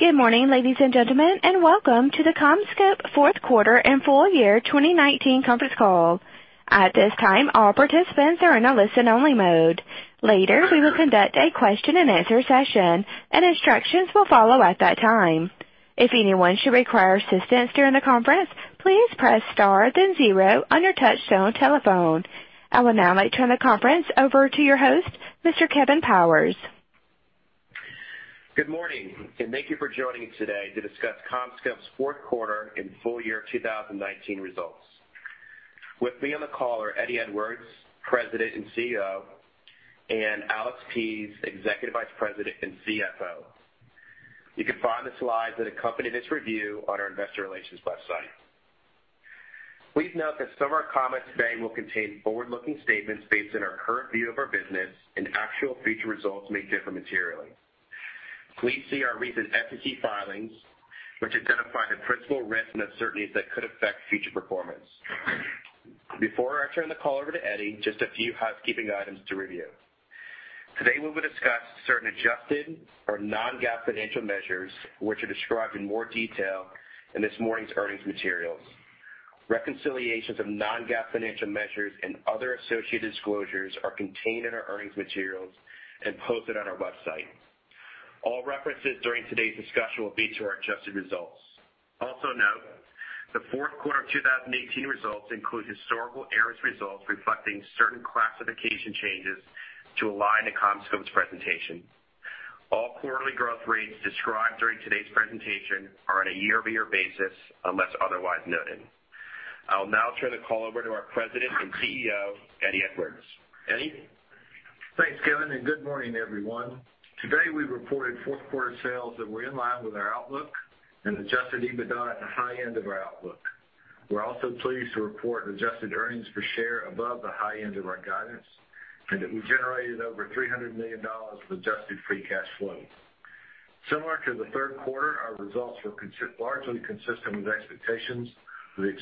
Good morning, ladies and gentlemen, and welcome to the CommScope fourth quarter and full year 2019 conference call. At this time, all participants are in a listen-only mode. Later, we will conduct a question and answer session, and instructions will follow at that time. If anyone should require assistance during the conference, please press star then zero on your touchtone telephone. I will now turn the conference over to your host, Mr. Kevin Powers. Good morning, and thank you for joining today to discuss CommScope's fourth quarter and full year 2019 results. With me on the call are Eddie Edwards, President and CEO, and Alex Pease, Executive Vice President and CFO. You can find the slides that accompany this review on our investor relations website. Please note that some of our comments today will contain forward-looking statements based on our current view of our business, and actual future results may differ materially. Please see our recent SEC filings, which identify the principal risks and uncertainties that could affect future performance. Before I turn the call over to Eddie, just a few housekeeping items to review. Today, we will discuss certain adjusted or non-GAAP financial measures, which are described in more detail in this morning's earnings materials. Reconciliations of non-GAAP financial measures and other associated disclosures are contained in our earnings materials and posted on our website. All references during today's discussion will be to our adjusted results. Note, the fourth quarter 2018 results include historical errors results reflecting certain classification changes to align to CommScope's presentation. All quarterly growth rates described during today's presentation are on a year-over-year basis, unless otherwise noted. I will now turn the call over to our President and CEO, Eddie Edwards. Eddie? Thanks, Kevin, and good morning, everyone. Today, we reported fourth quarter sales that were in line with our outlook and adjusted EBITDA at the high end of our outlook. We're also pleased to report adjusted earnings per share above the high end of our guidance and that we generated over $300 million of adjusted free cash flow. Similar to the third quarter, our results were largely consistent with expectations, with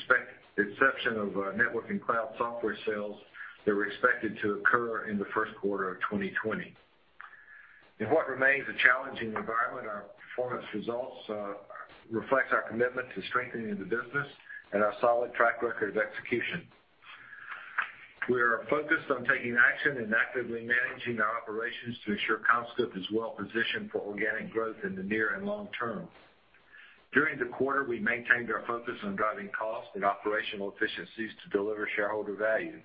the exception of our networking cloud software sales that were expected to occur in the first quarter of 2020. In what remains a challenging environment, our performance results reflects our commitment to strengthening the business and our solid track record of execution. We are focused on taking action and actively managing our operations to ensure CommScope is well positioned for organic growth in the near and long term. During the quarter, we maintained our focus on driving cost and operational efficiencies to deliver shareholder value.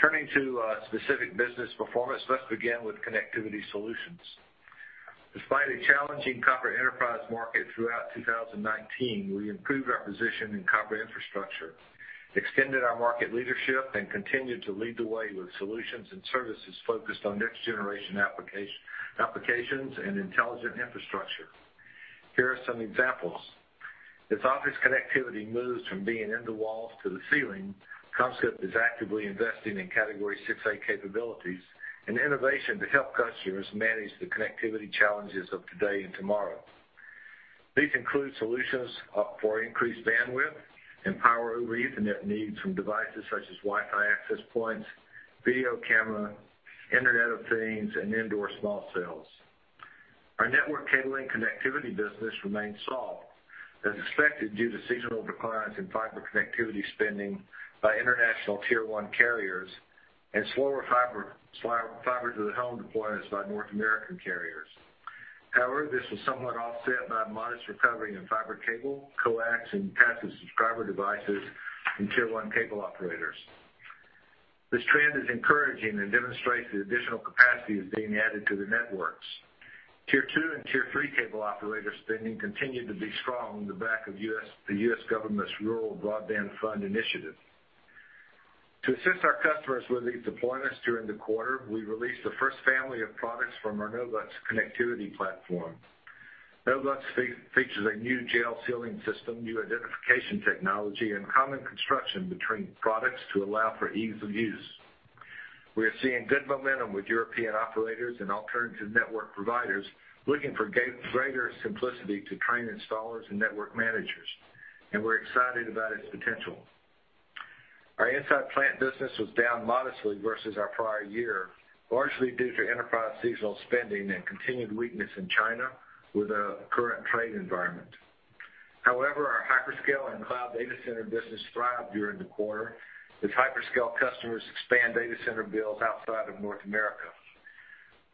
Turning to specific business performance, let's begin with Connectivity Solutions. Despite a challenging copper enterprise market throughout 2019, we improved our position in copper infrastructure, extended our market leadership, and continued to lead the way with solutions and services focused on next generation applications and intelligent infrastructure. Here are some examples. As office connectivity moves from being in the walls to the ceiling, CommScope is actively investing in Category 6A capabilities and innovation to help customers manage the connectivity challenges of today and tomorrow. These include solutions for increased bandwidth and Power over Ethernet needs from devices such as Wi-Fi access points, video camera, Internet of Things, and indoor small cells. Our network cabling connectivity business remains soft as expected due to seasonal declines in fiber connectivity spending by international tier one carriers and slower fiber to the home deployments by North American carriers. This was somewhat offset by modest recovery in fiber cable, coax, and passive subscriber devices in tier one cable operators. This trend is encouraging and demonstrates the additional capacity is being added to the networks. Tier two and tier three cable operator spending continued to be strong on the back of the U.S. government's Rural Broadband Fund initiative. To assist our customers with these deployments during the quarter, we released the first family of products from our NOVUX connectivity platform. NOVUX features a new gel sealing system, new identification technology, and common construction between products to allow for ease of use. We are seeing good momentum with European operators and alternative network providers looking for greater simplicity to train installers and network managers, and we're excited about its potential. Our inside plant business was down modestly versus our prior year, largely due to enterprise seasonal spending and continued weakness in China with the current trade environment. However, our hyperscale and cloud data center business thrived during the quarter as hyperscale customers expand data center builds outside of North America.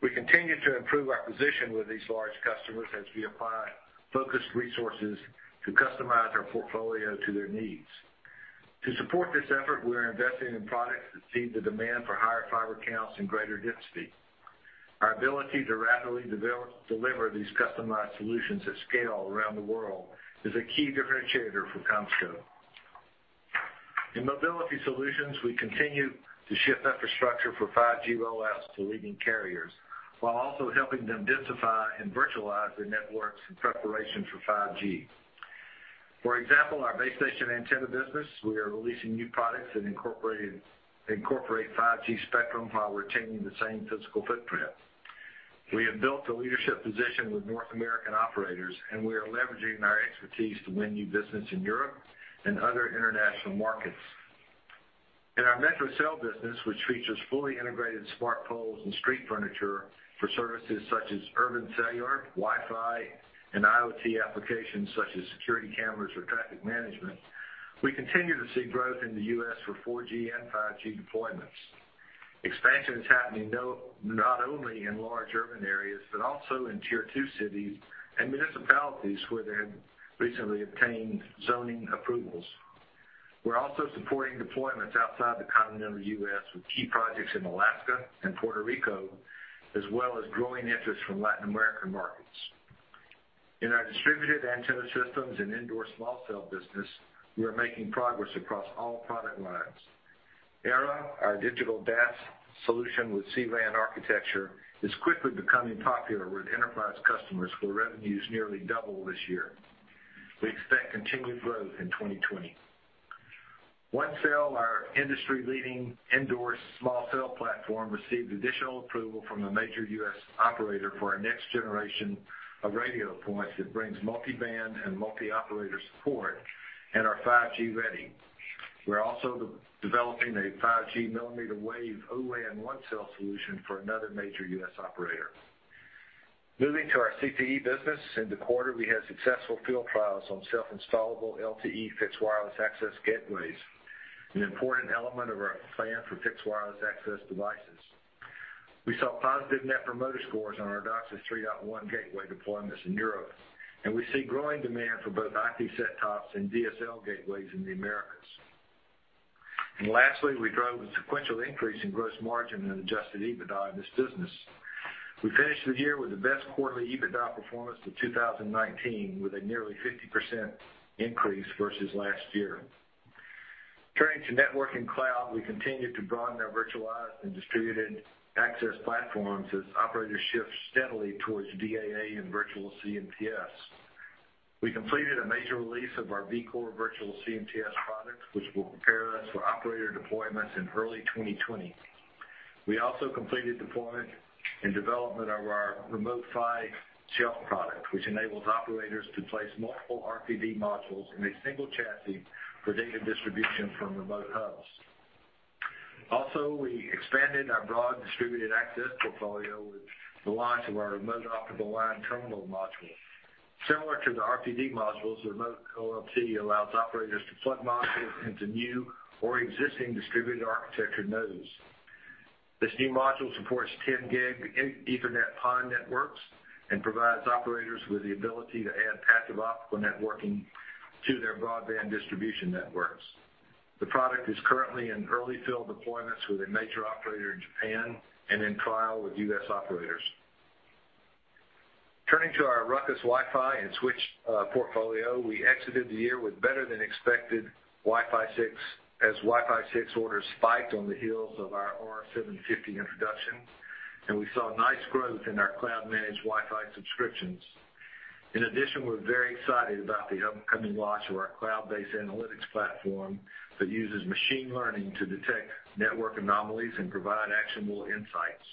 We continue to improve our position with these large customers as we apply focused resources to customize our portfolio to their needs. To support this effort, we are investing in products that see the demand for higher fiber counts and greater density. Our ability to rapidly deliver these customized solutions at scale around the world is a key differentiator for CommScope. In Mobility Solutions, we continue to shift infrastructure for 5G rollout to leading carriers, while also helping them densify and virtualize their networks in preparation for 5G. For example, our base station antenna business, we are releasing new products that incorporate 5G spectrum while retaining the same physical footprint. We have built a leadership position with North American operators, and we are leveraging our expertise to win new business in Europe and other international markets. In our metro cell business, which features fully integrated smart poles and street furniture for services such as urban cellular, Wi-Fi, and IoT applications such as security cameras or traffic management, we continue to see growth in the U.S. for 4G and 5G deployments. Expansion is happening not only in large urban areas, but also in tier two cities and municipalities where they have recently obtained zoning approvals. We're also supporting deployments outside the continental U.S. with key projects in Alaska and Puerto Rico, as well as growing interest from Latin American markets. In our distributed antenna systems and indoor small cell business, we are making progress across all product lines. Era, our digital DAS solution with C-RAN architecture, is quickly becoming popular with enterprise customers where revenues nearly double this year. We expect continued growth in 2020. ONECELL, our industry-leading indoor small cell platform, received additional approval from a major U.S. operator for our next generation of radio points that brings multi-band and multi-operator support and are 5G ready. We're also developing a 5G millimeter wave Open RAN ONECELL solution for another major U.S. operator. Moving to our CPE business. In the quarter, we had successful field trials on self-installable LTE fixed wireless access gateways, an important element of our plan for fixed wireless access devices. We saw positive net promoter scores on our DOCSIS 3.1 gateway deployments in Europe, and we see growing demand for both IP set-tops and DSL gateways in the Americas. Lastly, we drove a sequential increase in gross margin and adjusted EBITDA in this business. We finished the year with the best quarterly EBITDA performance in 2019, with a nearly 50% increase versus last year. Turning to networking cloud, we continued to broaden our virtualized and distributed access platforms as operator shifts steadily towards DAA and virtual CMTS. We completed a major release of our vCore virtual CMTS product, which will prepare us for operator deployments in early 2020. We also completed deployment and development of our Remote PHY Shelf product, which enables operators to place multiple RPD modules in a single chassis for data distribution from remote hubs. We expanded our broad distributed access portfolio with the launch of our Remote Optical Line Terminal module. Similar to the RPD modules, Remote OLT allows operators to plug modules into new or existing distributed architecture nodes. This new module supports 10 Gig Ethernet PON networks and provides operators with the ability to add passive optical networking to their broadband distribution networks. The product is currently in early field deployments with a major operator in Japan and in trial with U.S. operators. Turning to our Ruckus Wi-Fi and switch portfolio. We exited the year with better than expected Wi-Fi 6, as Wi-Fi 6 orders spiked on the heels of our R750 introduction. We saw nice growth in our cloud-managed Wi-Fi subscriptions. We're very excited about the upcoming launch of our cloud-based analytics platform that uses machine learning to detect network anomalies and provide actionable insights.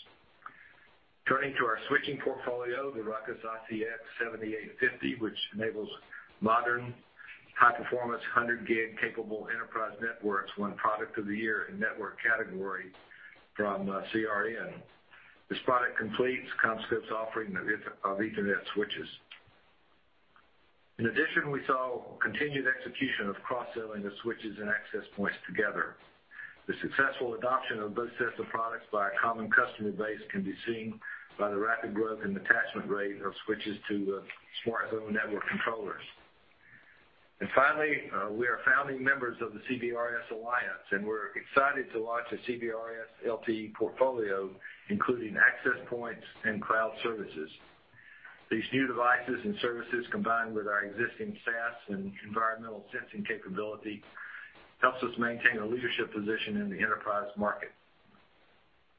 Turning to our switching portfolio, the Ruckus ICX 7850, which enables modern high-performance 100 Gig capable enterprise networks, won product of the year in network category from CRN. This product completes CommScope's offering of Ethernet switches. We saw continued execution of cross-selling of switches and access points together. The successful adoption of both sets of products by a common customer base can be seen by the rapid growth in attachment rate of switches to SmartZone network controllers. Finally, we are founding members of the CBRS Alliance, and we're excited to launch a CBRS LTE portfolio, including access points and cloud services. These new devices and services, combined with our existing SaaS and environmental sensing capability, helps us maintain a leadership position in the enterprise market.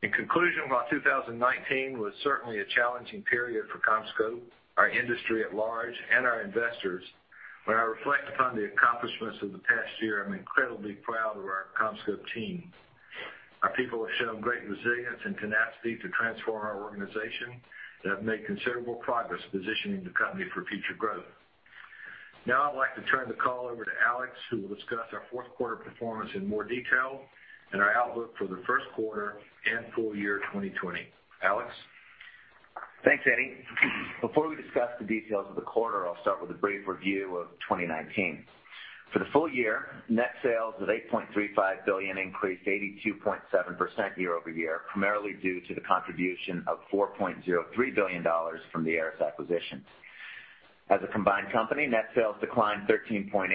In conclusion, while 2019 was certainly a challenging period for CommScope, our industry at large, and our investors, when I reflect upon the accomplishments of the past year, I'm incredibly proud of our CommScope team. Our people have shown great resilience and tenacity to transform our organization and have made considerable progress positioning the company for future growth. Now I'd like to turn the call over to Alex, who will discuss our fourth quarter performance in more detail and our outlook for the first quarter and full year 2020. Alex? Thanks, Eddie. Before we discuss the details of the quarter, I'll start with a brief review of 2019. For the full year, net sales of $8.35 billion increased 82.7% year-over-year, primarily due to the contribution of $4.03 billion from the ARRIS acquisition. As a combined company, net sales declined 13.8%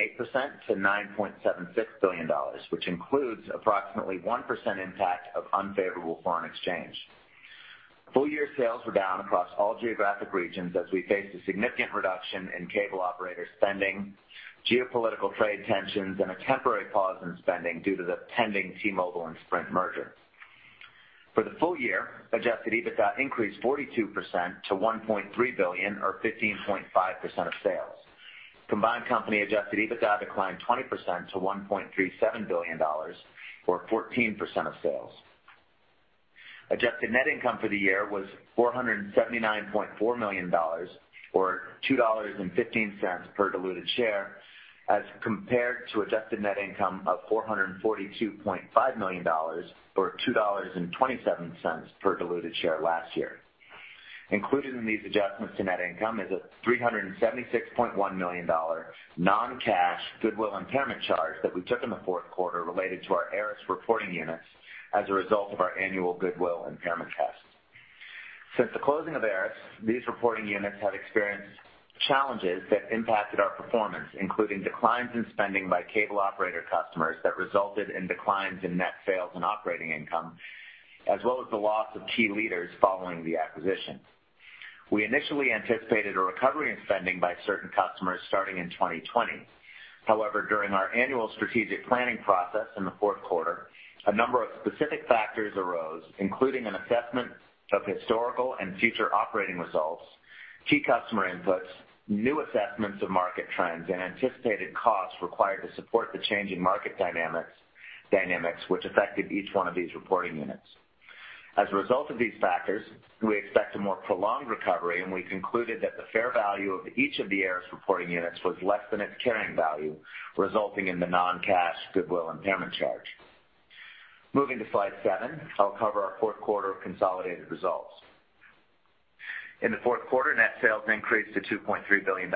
to $9.75 billion, which includes approximately 1% impact of unfavorable foreign exchange. Full year sales were down across all geographic regions as we faced a significant reduction in cable operator spending, geopolitical trade tensions, and a temporary pause in spending due to the pending T-Mobile and Sprint merger. For the full year, adjusted EBITDA increased 42% to $1.3 billion, or 15.5% of sales. Combined company adjusted EBITDA declined 20% to $1.37 billion, or 14% of sales. Adjusted net income for the year was $479.4 million, or $2.15 per diluted share as compared to adjusted net income of $442.5 million, or $2.27 per diluted share last year. Included in these adjustments to net income is a $376.1 million non-cash goodwill impairment charge that we took in the fourth quarter related to our ARRIS reporting units as a result of our annual goodwill impairment test. Since the closing of ARRIS, these reporting units have experienced challenges that impacted our performance, including declines in spending by cable operator customers that resulted in declines in net sales and operating income, as well as the loss of key leaders following the acquisition. We initially anticipated a recovery in spending by certain customers starting in 2020. However, during our annual strategic planning process in the fourth quarter, a number of specific factors arose, including an assessment of historical and future operating results, key customer inputs, new assessments of market trends, and anticipated costs required to support the changing market dynamics, which affected each one of these reporting units. As a result of these factors, we expect a more prolonged recovery, and we concluded that the fair value of each of the ARRIS reporting units was less than its carrying value, resulting in the non-cash goodwill impairment charge. Moving to slide seven, I'll cover our fourth quarter of consolidated results. In the fourth quarter, net sales increased to $2.3 billion,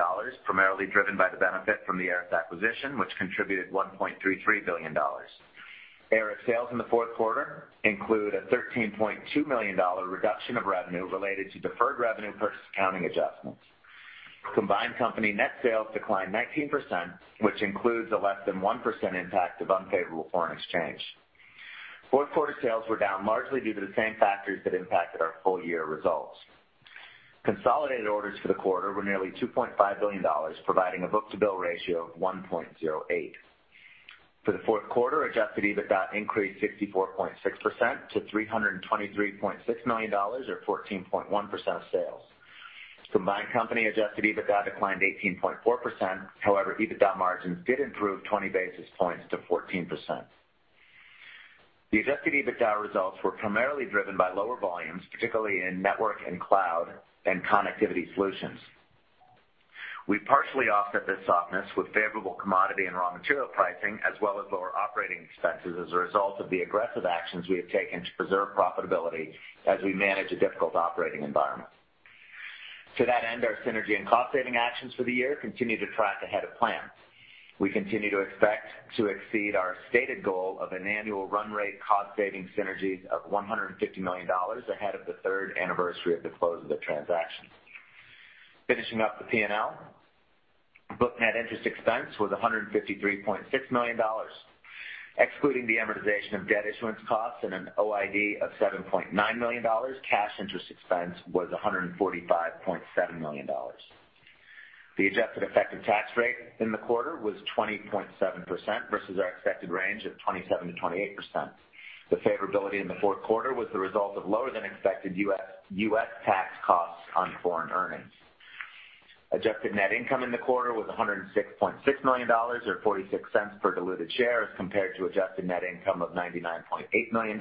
primarily driven by the benefit from the ARRIS acquisition, which contributed $1.33 billion. ARRIS sales in the fourth quarter include a $13.2 million reduction of revenue related to deferred revenue purchase accounting adjustments. Combined company net sales declined 19%, which includes a less than 1% impact of unfavorable foreign exchange. Fourth quarter sales were down largely due to the same factors that impacted our full year results. Consolidated orders for the quarter were nearly $2.5 billion, providing a book-to-bill ratio of 1.08. For the fourth quarter, adjusted EBITDA increased 54.6% to $323.6 million or 14.1% of sales. Combined company adjusted EBITDA declined 18.4%, however, EBITDA margins did improve 20 basis points to 14%. The adjusted EBITDA results were primarily driven by lower volumes, particularly in Network & Cloud and Connectivity Solutions. We partially offset this softness with favorable commodity and raw material pricing, as well as lower operating expenses as a result of the aggressive actions we have taken to preserve profitability as we manage a difficult operating environment. To that end, our synergy and cost-saving actions for the year continue to track ahead of plan. We continue to expect to exceed our stated goal of an annual run rate cost-saving synergies of $150 million ahead of the third anniversary of the close of the transaction. Finishing up the P&L, book net interest expense was $153.6 million, excluding the amortization of debt issuance costs and an OID of $7.9 million, cash interest expense was $145.7 million. The adjusted effective tax rate in the quarter was 20.7% versus our expected range of 27%-28%. The favorability in the fourth quarter was the result of lower than expected U.S. tax costs on foreign earnings. Adjusted net income in the quarter was $106.6 million, or $0.46 per diluted share as compared to adjusted net income of $99.8 million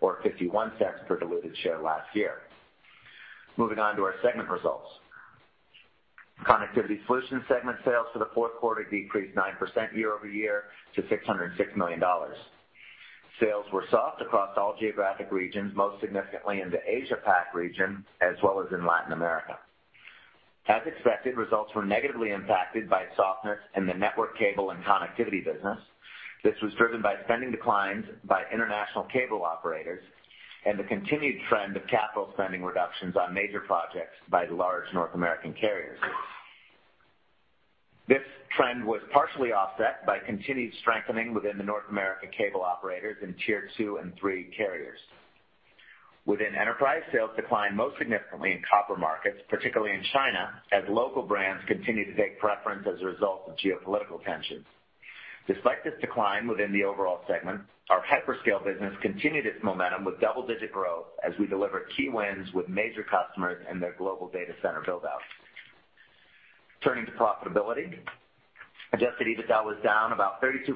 or $0.51 per diluted share last year. Moving on to our segment results. Connectivity Solutions segment sales for the fourth quarter decreased 9% year-over-year to $606 million. Sales were soft across all geographic regions, most significantly in the Asia Pacific region as well as in Latin America. As expected, results were negatively impacted by softness in the network cable and connectivity business. This was driven by spending declines by international cable operators and the continued trend of capital spending reductions on major projects by large North American carriers. This trend was partially offset by continued strengthening within the North American cable operators in tier two and three carriers. Within enterprise, sales declined most significantly in copper markets, particularly in China, as local brands continue to take preference as a result of geopolitical tensions. Despite this decline within the overall segment, our hyperscale business continued its momentum with double-digit growth as we delivered key wins with major customers in their global data center build-out. Turning to profitability, adjusted EBITDA was down about 32%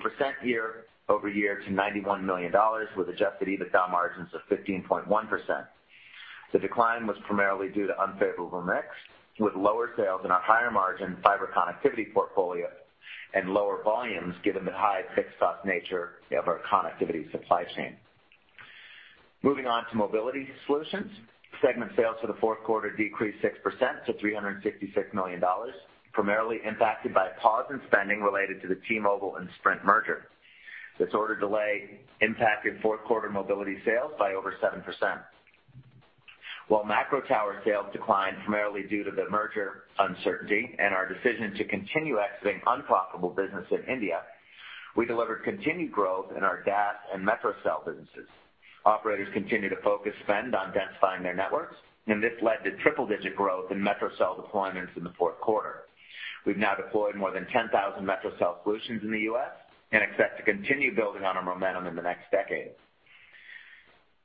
year-over-year to $91 million, with adjusted EBITDA margins of 15.1%. The decline was primarily due to unfavorable mix, with lower sales in our higher-margin fiber connectivity portfolio and lower volumes given the high fixed cost nature of our connectivity supply chain. Moving on to Mobility Solutions. Segment sales for the fourth quarter decreased 6% to $366 million, primarily impacted by a pause in spending related to the T-Mobile and Sprint merger. This order delay impacted fourth quarter mobility sales by over 7%. While macro tower sales declined primarily due to the merger uncertainty and our decision to continue exiting unprofitable business in India, we delivered continued growth in our DAS and metro cell businesses. Operators continue to focus spend on densifying their networks, and this led to triple-digit growth in metro cell deployments in the fourth quarter. We've now deployed more than 10,000 metro cell solutions in the U.S. and expect to continue building on our momentum in the next decade.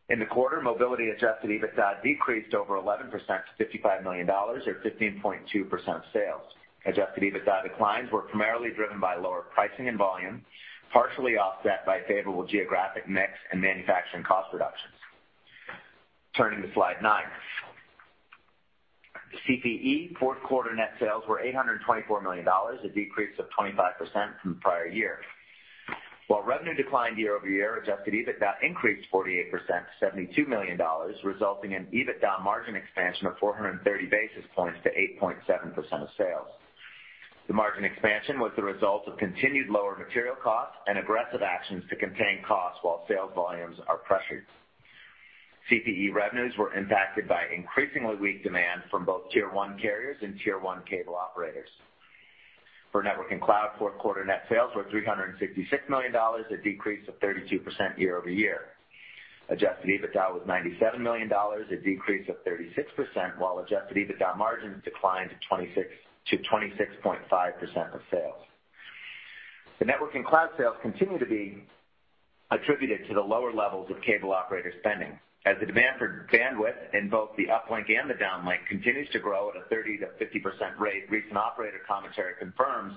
In the quarter, Mobility adjusted EBITDA decreased over 11% to $55 million, or 15.2% of sales. Adjusted EBITDA declines were primarily driven by lower pricing and volume, partially offset by favorable geographic mix and manufacturing cost reductions. Turning to slide nine. CPE fourth quarter net sales were $824 million, a decrease of 25% from the prior year. While revenue declined year-over-year, adjusted EBITDA increased 48% to $72 million, resulting in EBITDA margin expansion of 430 basis points to 8.7% of sales. The margin expansion was the result of continued lower material costs and aggressive actions to contain costs while sales volumes are pressured. CPE revenues were impacted by increasingly weak demand from both tier one carriers and tier one cable operators. For Network & Cloud, fourth quarter net sales were $366 million, a decrease of 32% year-over-year. Adjusted EBITDA was $97 million, a decrease of 36%, while adjusted EBITDA margins declined to 26.5% of sales. The Network & Cloud sales continue to be attributed to the lower levels of cable operator spending. As the demand for bandwidth in both the uplink and the downlink continues to grow at a 30%-50% rate, recent operator commentary confirms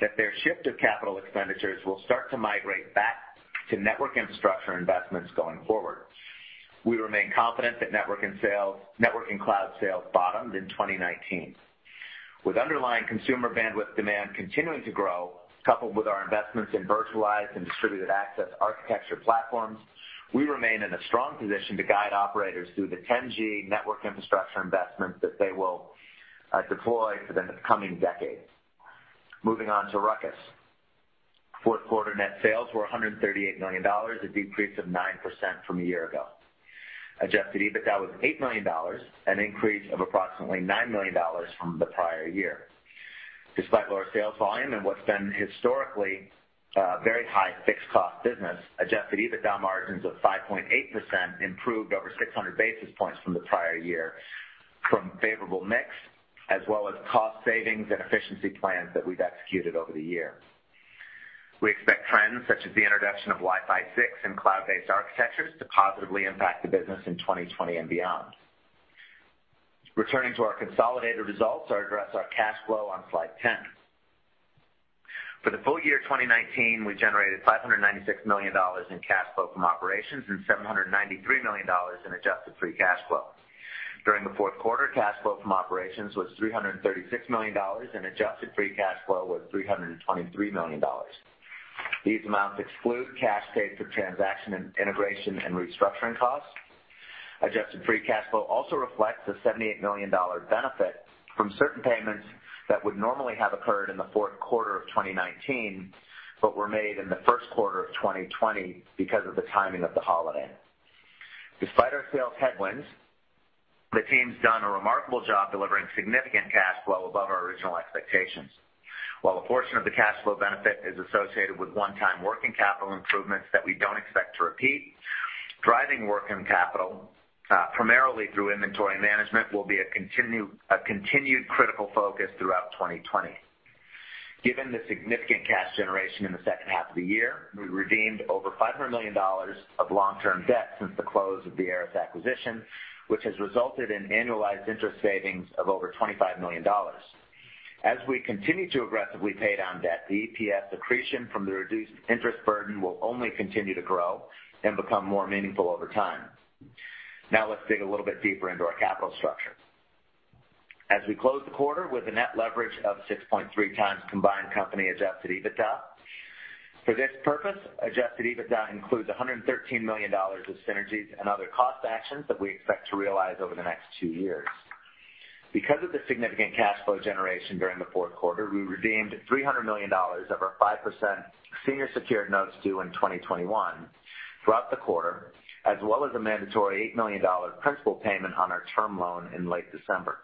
that their shift of CapEx will start to migrate back to network infrastructure investments going forward. We remain confident that Network & Cloud sales bottomed in 2019. With underlying consumer bandwidth demand continuing to grow, coupled with our investments in virtualized and distributed access architecture platforms, we remain in a strong position to guide operators through the 10G network infrastructure investments that they will deploy for the coming decade. Moving on to Ruckus. Fourth quarter net sales were $138 million, a decrease of 9% from a year ago. Adjusted EBITDA was $8 million, an increase of approximately $9 million from the prior year. Despite lower sales volume and what's been historically a very high fixed cost business, adjusted EBITDA margins of 5.8% improved over 600 basis points from the prior year from favorable mix, as well as cost savings and efficiency plans that we've executed over the year. We expect trends such as the introduction of Wi-Fi 6 and cloud-based architectures to positively impact the business in 2020 and beyond. Returning to our consolidated results, I address our cash flow on slide 10. For the full year 2019, we generated $596 million in cash flow from operations and $793 million in adjusted free cash flow. During the fourth quarter, cash flow from operations was $336 million, and adjusted free cash flow was $323 million. These amounts exclude cash paid for transaction and integration and restructuring costs. Adjusted free cash flow also reflects a $78 million benefit from certain payments that would normally have occurred in the fourth quarter of 2019, but were made in the first quarter of 2020 because of the timing of the holiday. Despite our sales headwinds, the team's done a remarkable job delivering significant cash flow above our original expectations. While a portion of the cash flow benefit is associated with one-time working capital improvements that we don't expect to repeat, driving working capital primarily through inventory management will be a continued critical focus throughout 2020. Given the significant cash generation in the second half of the year, we redeemed over $500 million of long-term debt since the close of the ARRIS acquisition, which has resulted in annualized interest savings of over $25 million. As we continue to aggressively pay down debt, the EPS accretion from the reduced interest burden will only continue to grow and become more meaningful over time. Now let's dig a little bit deeper into our capital structure. As we close the quarter with a net leverage of 6.3x combined company adjusted EBITDA. For this purpose, adjusted EBITDA includes $113 million of synergies and other cost actions that we expect to realize over the next two years. Because of the significant cash flow generation during the fourth quarter, we redeemed $300 million of our 5% senior secured notes due in 2021 throughout the quarter, as well as a mandatory $8 million principal payment on our term loan in late December.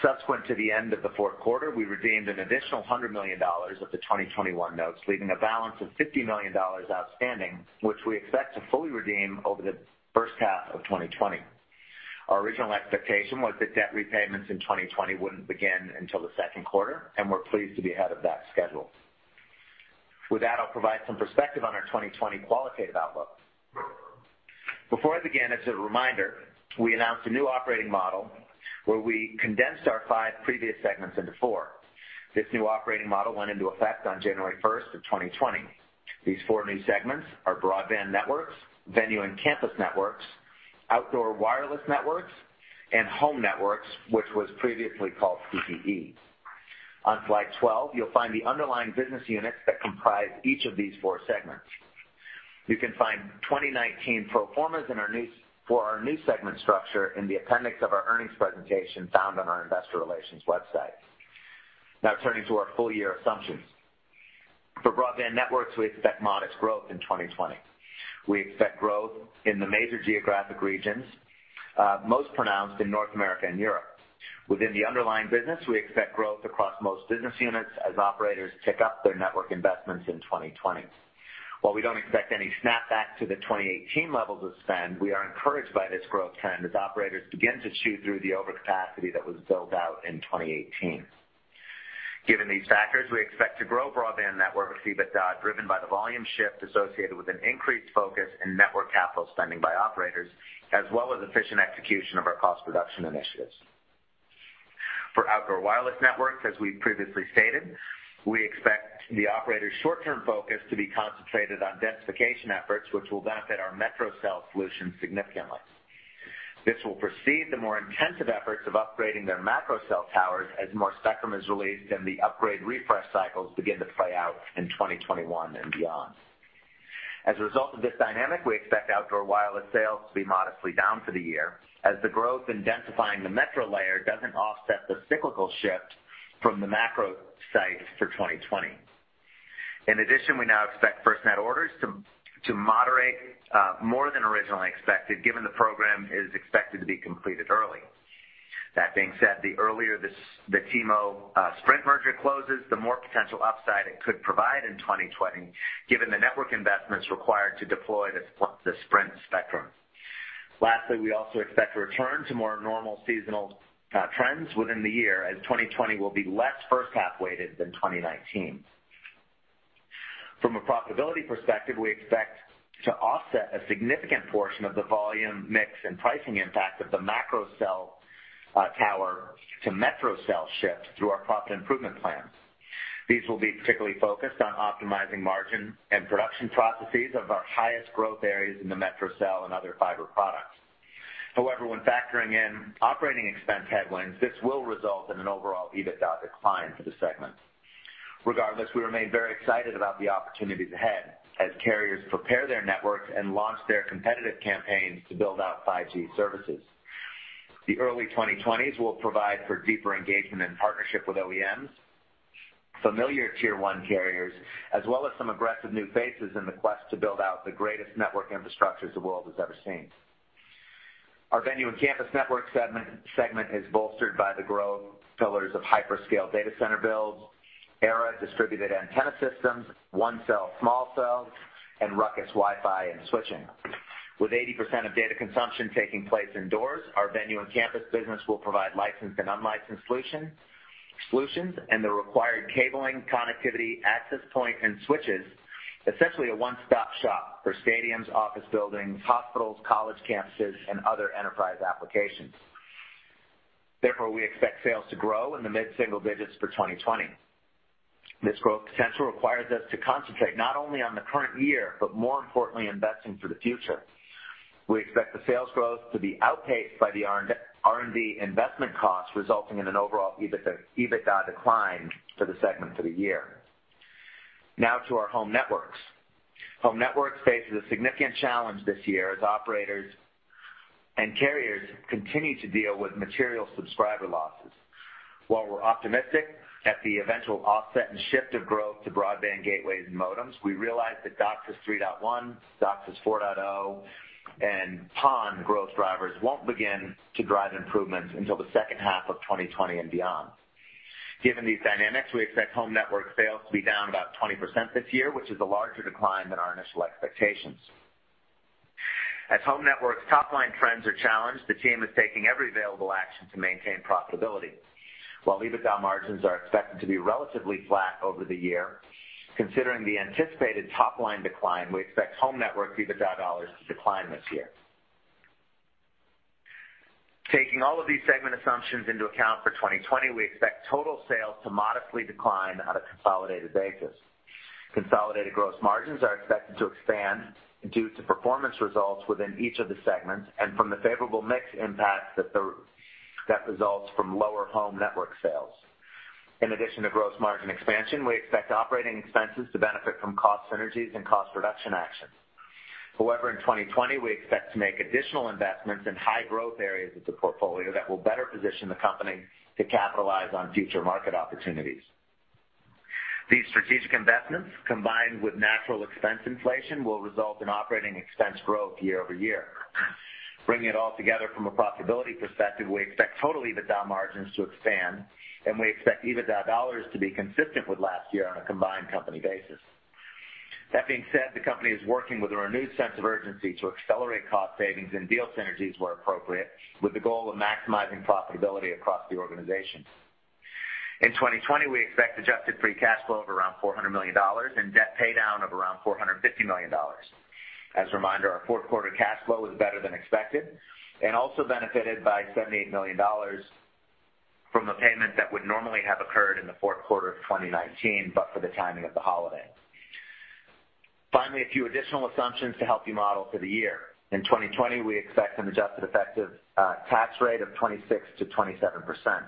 Subsequent to the end of the fourth quarter, we redeemed an additional $100 million of the 2021 notes, leaving a balance of $50 million outstanding, which we expect to fully redeem over the first half of 2020. Our original expectation was that debt repayments in 2020 wouldn't begin until the second quarter, we're pleased to be ahead of that schedule. With that, I'll provide some perspective on our 2020 qualitative outlook. Before I begin, as a reminder, we announced a new operating model where we condensed our five previous segments into four. This new operating model went into effect on January 1st of 2020. These four new segments are Broadband Networks, Venue and Campus Networks, Outdoor Wireless Networks, and Home Networks, which was previously called CPE. On slide 12, you'll find the underlying business units that comprise each of these four segments. You can find 2019 pro formas for our new segment structure in the appendix of our earnings presentation found on our investor relations website. Turning to our full year assumptions. For Broadband Networks, we expect modest growth in 2020. We expect growth in the major geographic regions, most pronounced in North America and Europe. Within the underlying business, we expect growth across most business units as operators tick up their network investments in 2020. While we don't expect any snapback to the 2018 levels of spend, we are encouraged by this growth trend as operators begin to chew through the overcapacity that was built out in 2018. Given these factors, we expect to grow Broadband Networks EBITDA, driven by the volume shift associated with an increased focus in network capital spending by operators, as well as efficient execution of our cost reduction initiatives. As we've previously stated. We expect the operators' short-term focus to be concentrated on densification efforts, which will benefit our metro cell solution significantly. This will precede the more intensive efforts of upgrading their macro cell towers as more spectrum is released and the upgrade refresh cycles begin to play out in 2021 and beyond. As a result of this dynamic, we expect Outdoor Wireless sales to be modestly down for the year, as the growth in densifying the metro layer doesn't offset the cyclical shift from the macro site for 2020. In addition, we now expect FirstNet orders to moderate more than originally expected, given the program is expected to be completed early. That being said, the earlier the T-Mobile-Sprint merger closes, the more potential upside it could provide in 2020, given the network investments required to deploy the Sprint spectrum. Lastly, we also expect to return to more normal seasonal trends within the year, as 2020 will be less first half-weighted than 2019. From a profitability perspective, we expect to offset a significant portion of the volume, mix, and pricing impact of the macro cell tower to metro cell shift through our profit improvement plans. These will be particularly focused on optimizing margin and production processes of our highest growth areas in the metro cell and other fiber products. However, when factoring in operating expense headwinds, this will result in an overall EBITDA decline for the segment. Regardless, we remain very excited about the opportunities ahead as carriers prepare their networks and launch their competitive campaigns to build out 5G services. The early 2020s will provide for deeper engagement and partnership with OEMs, familiar tier one carriers, as well as some aggressive new faces in the quest to build out the greatest network infrastructures the world has ever seen. Our Venue and Campus Networks segment is bolstered by the growth pillars of hyperscale data center builds, Era distributed antenna systems, ONECELL small cells, and Ruckus Wi-Fi and switching. With 80% of data consumption taking place indoors, our venue on-campus business will provide licensed and unlicensed solutions, and the required cabling, connectivity, access point, and switches, essentially a one-stop shop for stadiums, office buildings, hospitals, college campuses, and other enterprise applications. Therefore, we expect sales to grow in the mid-single digits for 2020. This growth potential requires us to concentrate not only on the current year, but more importantly, investing for the future. We expect the sales growth to be outpaced by the R&D investment costs, resulting in an overall EBITDA decline for the segment for the year. Now to our Home Networks. Home Networks faces a significant challenge this year as operators and carriers continue to deal with material subscriber losses. While we're optimistic at the eventual offset and shift of growth to broadband gateways and modems, we realize that DOCSIS 3.1, DOCSIS 4.0, and PON growth drivers won't begin to drive improvements until the second half of 2020 and beyond. Given these dynamics, we expect Home Networks sales to be down about 20% this year, which is a larger decline than our initial expectations. As Home Networks top-line trends are challenged, the team is taking every available action to maintain profitability. While EBITDA margins are expected to be relatively flat over the year, considering the anticipated top-line decline, we expect Home Networks EBITDA dollars to decline this year. Taking all of these segment assumptions into account for 2020, we expect total sales to modestly decline on a consolidated basis. Consolidated gross margins are expected to expand due to performance results within each of the segments and from the favorable mix impact that results from lower Home Networks sales. In addition to gross margin expansion, we expect operating expenses to benefit from cost synergies and cost reduction actions. In 2020, we expect to make additional investments in high-growth areas of the portfolio that will better position the company to capitalize on future market opportunities. These strategic investments, combined with natural expense inflation, will result in operating expense growth year-over-year. Bringing it all together from a profitability perspective, we expect total EBITDA margins to expand, and we expect EBITDA dollars to be consistent with last year on a combined company basis. That being said, the company is working with a renewed sense of urgency to accelerate cost savings and deal synergies where appropriate, with the goal of maximizing profitability across the organization. In 2020, we expect adjusted free cash flow of around $400 million and debt paydown of around $450 million. As a reminder, our fourth quarter cash flow was better than expected and also benefited by $78 million from a payment that would normally have occurred in the fourth quarter of 2019, but for the timing of the holiday. Finally, a few additional assumptions to help you model for the year. In 2020, we expect an adjusted effective tax rate of 26%-27%,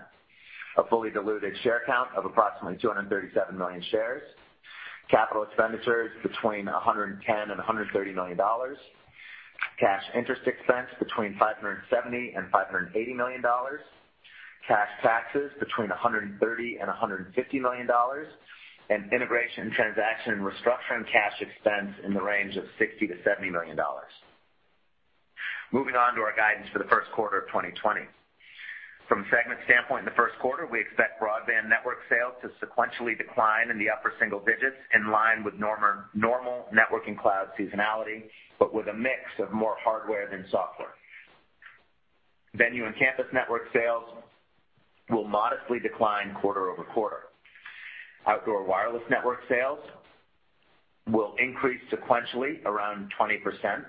a fully diluted share count of approximately 237 million shares, capital expenditures between $110 million and $130 million, cash interest expense between $570 million and $580 million, cash taxes between $130 million and $150 million, integration transaction restructuring cash expense in the range of $60 million-$70 million. Moving on to our guidance for the first quarter of 2020. From a segment standpoint, in the first quarter, we expect Broadband Networks sales to sequentially decline in the upper single digits in line with normal networking cloud seasonality, but with a mix of more hardware than software. Venue and Campus Networks sales will modestly decline quarter-over-quarter. Outdoor Wireless Networks sales will increase sequentially around 20%,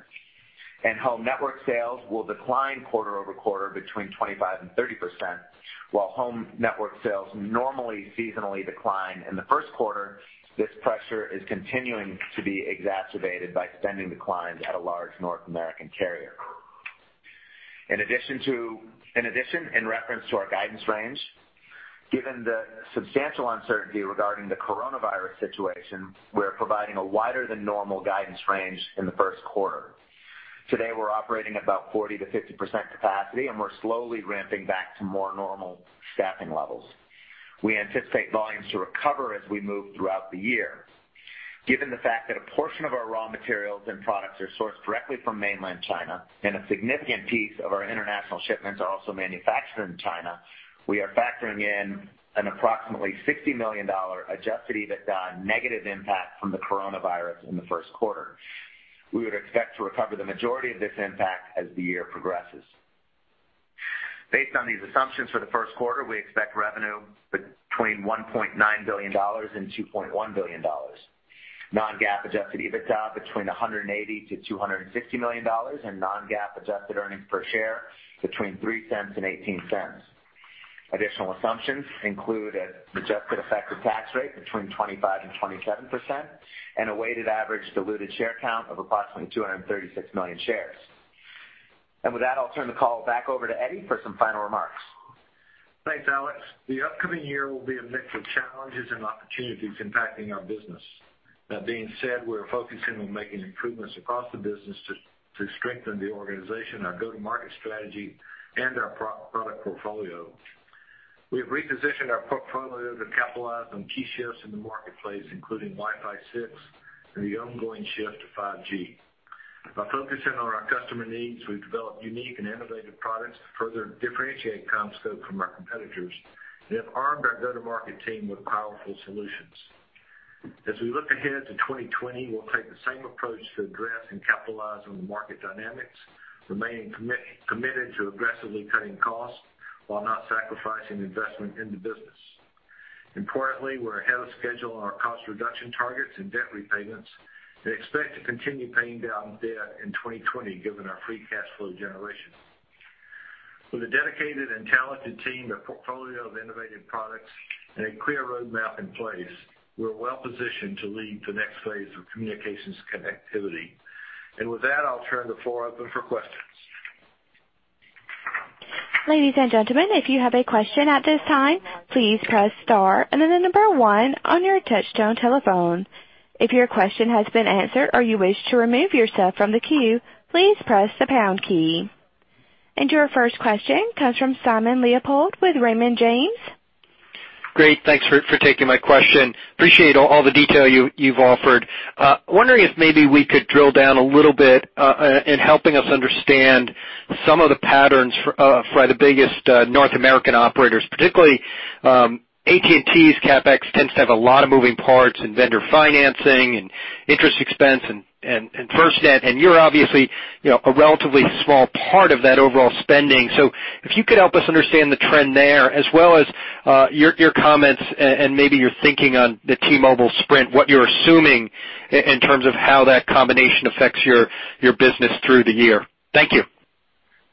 and Home Networks sales will decline quarter-over-quarter between 25% and 30%. While Home Networks sales normally seasonally decline in the first quarter, this pressure is continuing to be exacerbated by spending declines at a large North American carrier. In addition, in reference to our guidance range, given the substantial uncertainty regarding the coronavirus situation, we're providing a wider than normal guidance range in the first quarter. Today, we're operating at about 40%-50% capacity, and we're slowly ramping back to more normal staffing levels. We anticipate volumes to recover as we move throughout the year. Given the fact that a portion of our raw materials and products are sourced directly from mainland China and a significant piece of our international shipments are also manufactured in China, we are factoring in an approximately $60 million adjusted EBITDA negative impact from the coronavirus in the first quarter. We would expect to recover the majority of this impact as the year progresses. Based on these assumptions for the first quarter, we expect revenue between $1.9 billion and $2.1 billion. Non-GAAP adjusted EBITDA between $180 million-$250 million, non-GAAP adjusted earnings per share between $0.03 and $0.18. Additional assumptions include an adjusted effective tax rate between 25% and 27%, a weighted average diluted share count of approximately 236 million shares. With that, I'll turn the call back over to Eddie for some final remarks. Thanks, Alex. The upcoming year will be a mix of challenges and opportunities impacting our business. That being said, we're focusing on making improvements across the business to strengthen the organization, our go-to-market strategy, and our product portfolio. We have repositioned our portfolio to capitalize on key shifts in the marketplace, including Wi-Fi 6 and the ongoing shift to 5G. By focusing on our customer needs, we've developed unique and innovative products to further differentiate CommScope from our competitors and have armed our go-to-market team with powerful solutions. As we look ahead to 2020, we'll take the same approach to address and capitalize on the market dynamics, remaining committed to aggressively cutting costs while not sacrificing investment in the business. Importantly, we're ahead of schedule on our cost reduction targets and debt repayments and expect to continue paying down debt in 2020 given our free cash flow generation. With a dedicated and talented team, a portfolio of innovative products, and a clear roadmap in place, we're well-positioned to lead the next phase of communications connectivity. With that, I'll turn the floor open for questions. Ladies and gentlemen, if you have a question at this time, please press star and then the number 1 on your touchtone telephone. If your question has been answered or you wish to remove yourself from the queue, please press the pound key. Your first question comes from Simon Leopold with Raymond James. Great. Thanks for taking my question. Appreciate all the detail you've offered. Wondering if maybe we could drill down a little bit in helping us understand some of the patterns for the biggest North American operators, particularly AT&T's CapEx tends to have a lot of moving parts in vendor financing and interest expense and FirstNet, and you're obviously a relatively small part of that overall spending. If you could help us understand the trend there as well as your comments and maybe your thinking on the T-Mobile Sprint, what you're assuming in terms of how that combination affects your business through the year. Thank you.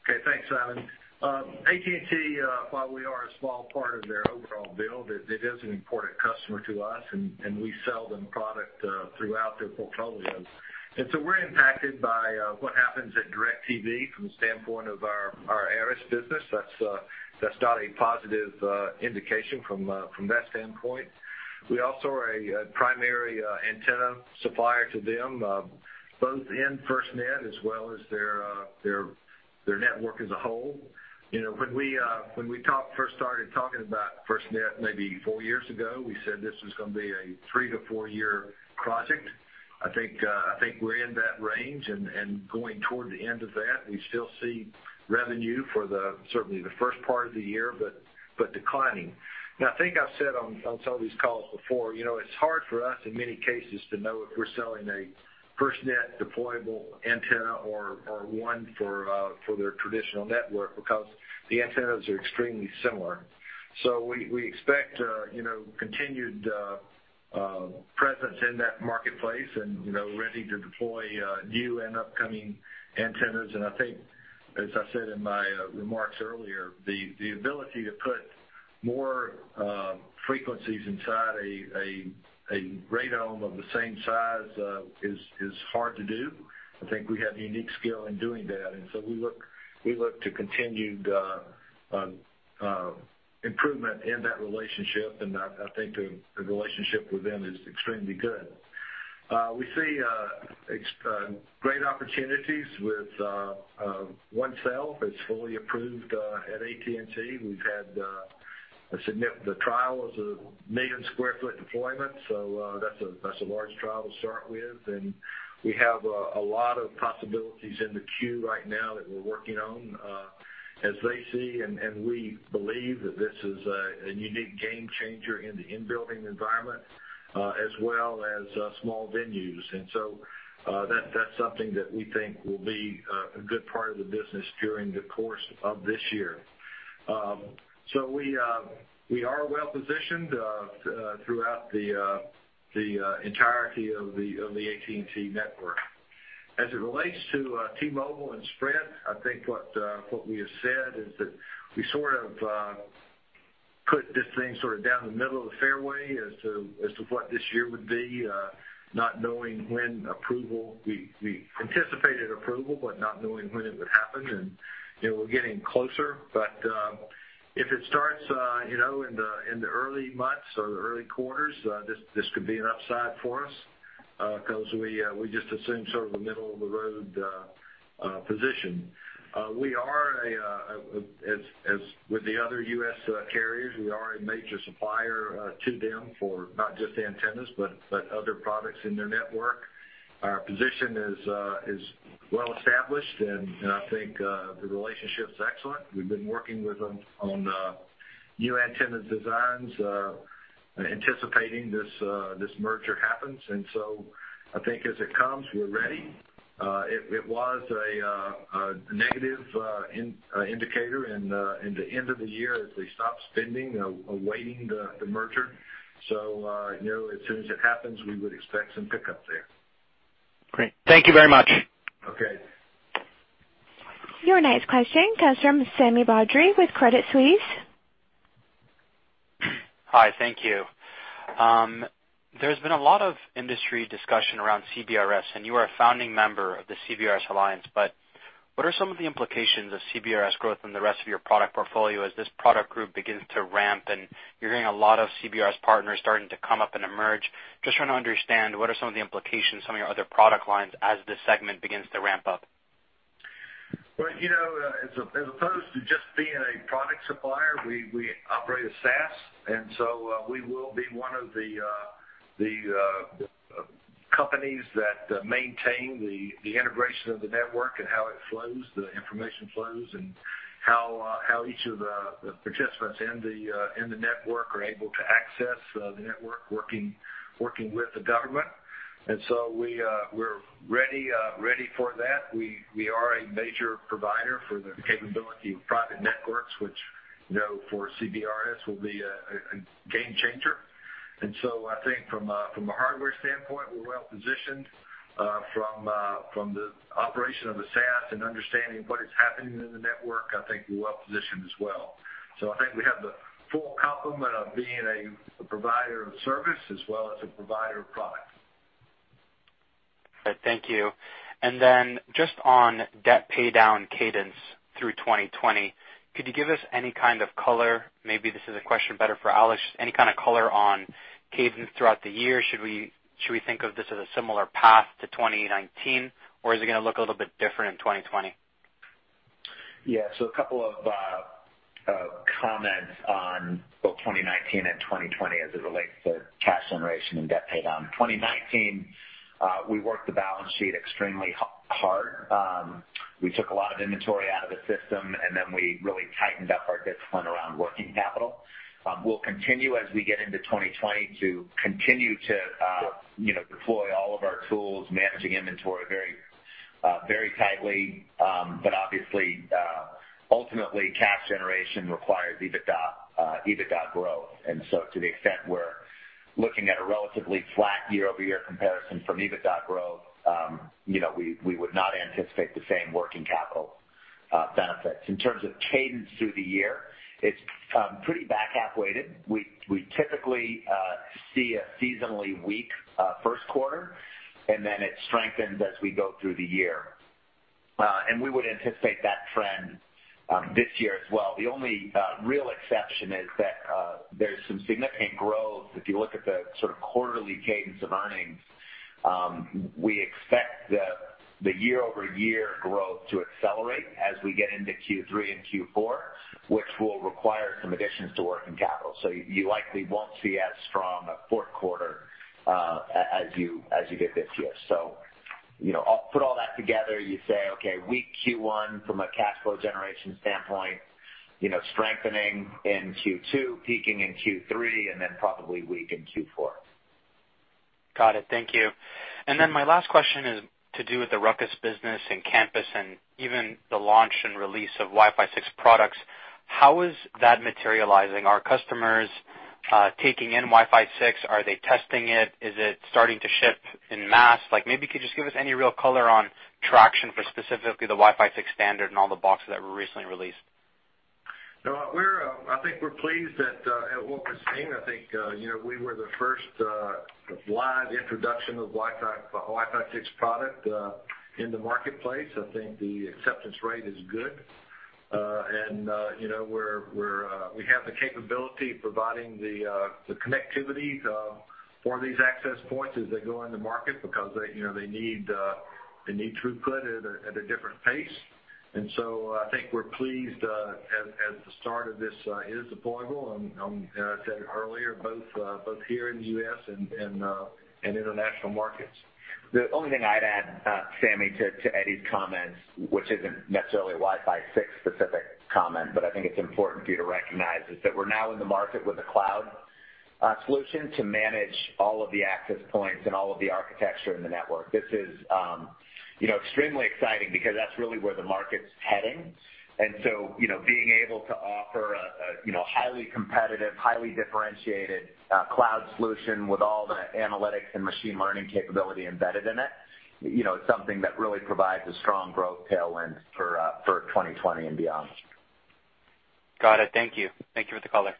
Okay. Thanks, Simon. AT&T, while we are a small part of their overall build, it is an important customer to us, and we sell them product throughout their portfolios. We're impacted by what happens at DirecTV from the standpoint of our ARRIS business. That's not a positive indication from that standpoint. We also are a primary antenna supplier to them, both in FirstNet as well as their network as a whole. When we first started talking about FirstNet maybe four years ago, we said this was going to be a three-to-four-year project. I think we're in that range and going toward the end of that. We still see revenue for certainly the first part of the year, but declining. I think I've said on some of these calls before, it's hard for us, in many cases, to know if we're selling a FirstNet deployable antenna or one for their traditional network because the antennas are extremely similar. We expect continued presence in that marketplace and ready to deploy new and upcoming antennas. I think, as I said in my remarks earlier, the ability to put more frequencies inside a radome of the same size is hard to do. I think we have unique skill in doing that, and so we look to continued improvement in that relationship, and I think the relationship with them is extremely good. We see great opportunities with ONECELL. It's fully approved at AT&T. We've had the trial is a 1 million sq ft deployment. That's a large trial to start with, we have a lot of possibilities in the queue right now that we're working on as they see, we believe that this is a unique game changer in the in-building environment as well as small venues. That's something that we think will be a good part of the business during the course of this year. We are well positioned throughout the entirety of the AT&T network. As it relates to T-Mobile and Sprint, I think what we have said is that we sort of put this thing sort of down the middle of the fairway as to what this year would be, not knowing when approval. We anticipated approval, not knowing when it would happen, we're getting closer. If it starts in the early months or the early quarters, this could be an upside for us, because we just assumed sort of a middle-of-the-road position. As with the other U.S. carriers, we are a major supplier to them for not just antennas but other products in their network. Our position is well-established, and I think the relationship's excellent. We've been working with them on new antenna designs, anticipating this merger happens, and so I think as it comes, we're ready. It was a negative indicator in the end of the year as they stopped spending, awaiting the merger. As soon as it happens, we would expect some pickup there. Great. Thank you very much. Okay. Your next question comes from Sami Badri with Credit Suisse. Hi, thank you. There's been a lot of industry discussion around CBRS, and you are a founding member of the CBRS Alliance, but what are some of the implications of CBRS growth in the rest of your product portfolio as this product group begins to ramp, and you're hearing a lot of CBRS partners starting to come up and emerge? Just trying to understand, what are some of the implications, some of your other product lines as this segment begins to ramp up? Well, as opposed to just being a product supplier, we operate a SaaS, and so we will be one of the companies that maintain the integration of the network and how it flows, the information flows, and how each of the participants in the network are able to access the network, working with the government. We're ready for that. We are a major provider for the capability of private networks, which for CBRS will be a game changer. I think from a hardware standpoint, we're well-positioned. From the operation of a SaaS and understanding what is happening in the network, I think we're well-positioned as well. I think we have the full complement of being a provider of service as well as a provider of product. Thank you. Just on debt paydown cadence through 2020, could you give us any kind of color, maybe this is a question better for Alex, any kind of color on cadence throughout the year? Should we think of this as a similar path to 2019, is it going to look a little bit different in 2020? Yeah. A couple of comments on both 2019 and 2020 as it relates to cash generation and debt paydown. 2019, we worked the balance sheet extremely hard. We took a lot of inventory out of the system. We really tightened up our discipline around working capital. We'll continue as we get into 2020 to continue to deploy all of our tools, managing inventory very tightly. Obviously, ultimately, cash generation requires EBITDA growth. To the extent we're looking at a relatively flat year-over-year comparison from EBITDA growth, we would not anticipate the same working capital benefits. In terms of cadence through the year, it's pretty back-half weighted. We typically see a seasonally weak first quarter. It strengthens as we go through the year. We would anticipate that trend this year as well. The only real exception is that there's some significant growth. If you look at the sort of quarterly cadence of earnings, we expect the year-over-year growth to accelerate as we get into Q3 and Q4, which will require some additions to working capital. You likely won't see as strong a fourth quarter as you did this year. Put all that together, you say, okay, weak Q1 from a cash flow generation standpoint, strengthening in Q2, peaking in Q3, and then probably weak in Q4. Got it. Thank you. My last question is to do with the Ruckus business and campus and even the launch and release of Wi-Fi 6 products. How is that materializing? Are customers taking in Wi-Fi 6? Are they testing it? Is it starting to ship en masse? Maybe could you just give us any real color on traction for specifically the Wi-Fi 6 standard and all the boxes that were recently released? I think we're pleased at what we're seeing. I think we were the first live introduction of Wi-Fi 6 product in the marketplace. I think the acceptance rate is good. We have the capability providing the connectivity for these access points as they go into market because they need throughput at a different pace. I think we're pleased at the start of this deployable, and I said earlier, both here in the U.S. and international markets. The only thing I'd add, Sami, to Eddie's comments, which isn't necessarily a Wi-Fi 6 specific comment, but I think it's important for you to recognize, is that we're now in the market with a cloud solution to manage all of the access points and all of the architecture in the network. This is extremely exciting because that's really where the market's heading. Being able to offer a highly competitive, highly differentiated cloud solution with all the analytics and machine learning capability embedded in it's something that really provides a strong growth tailwind for 2020 and beyond. Got it. Thank you. Thank you for the color.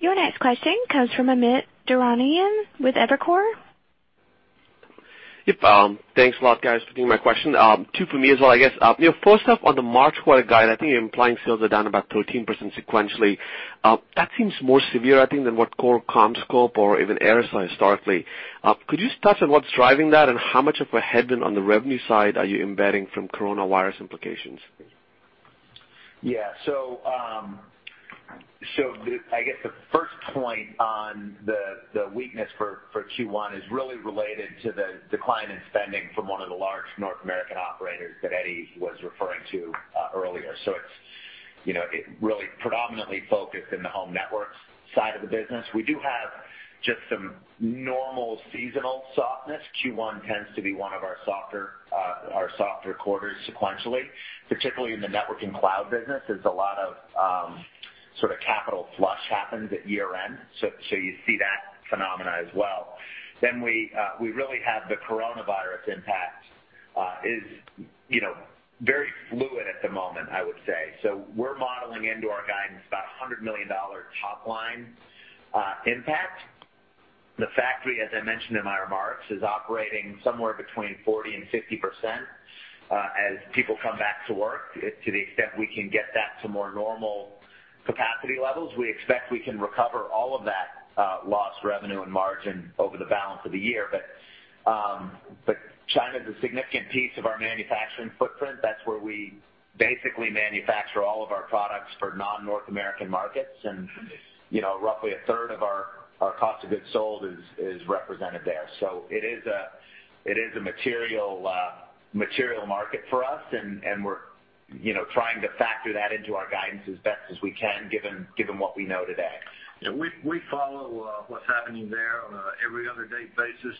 Your next question comes from Amit Daryanani with Evercore. Yep. Thanks a lot, guys, for taking my question. Two for me as well, I guess. First off, on the March quarter guide, I think you're implying sales are down about 13% sequentially. That seems more severe, I think, than what Core, CommScope, or even ARRIS historically. Could you touch on what's driving that, and how much of a headwind on the revenue side are you embedding from coronavirus implications? I guess the first point on the weakness for Q1 is really related to the decline in spending from one of the large North American operators that Eddie was referring to earlier. It's really predominantly focused in the Home Networks side of the business. We do have just some normal seasonal softness. Q1 tends to be one of our softer quarters sequentially, particularly in the Network & Cloud business. There's a lot of capital flush happens at year-end. You see that phenomena as well. The coronavirus impact is very fluid at the moment, I would say. We're modeling into our guidance about $100 million top-line impact. The factory, as I mentioned in my remarks, is operating somewhere between 40% and 50%. As people come back to work, to the extent we can get that to more normal capacity levels, we expect we can recover all of that lost revenue and margin over the balance of the year. China's a significant piece of our manufacturing footprint. That's where we basically manufacture all of our products for non-North American markets. Roughly a third of our cost of goods sold is represented there. It is a material market for us, and we're trying to factor that into our guidance as best as we can, given what we know today. We follow what's happening there on a every other day basis.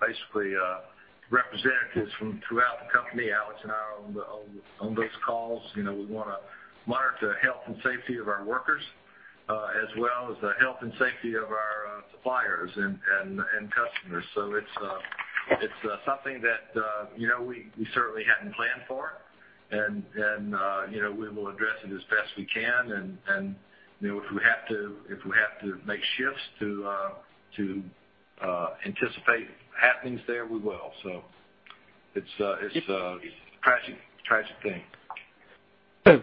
Basically, representatives from throughout the company, Alex and I, are on those calls. We want to monitor the health and safety of our workers, as well as the health and safety of our suppliers and customers. It's something that we certainly hadn't planned for. We will address it as best we can. If we have to make shifts to anticipate happenings there, we will. It's a tragic thing.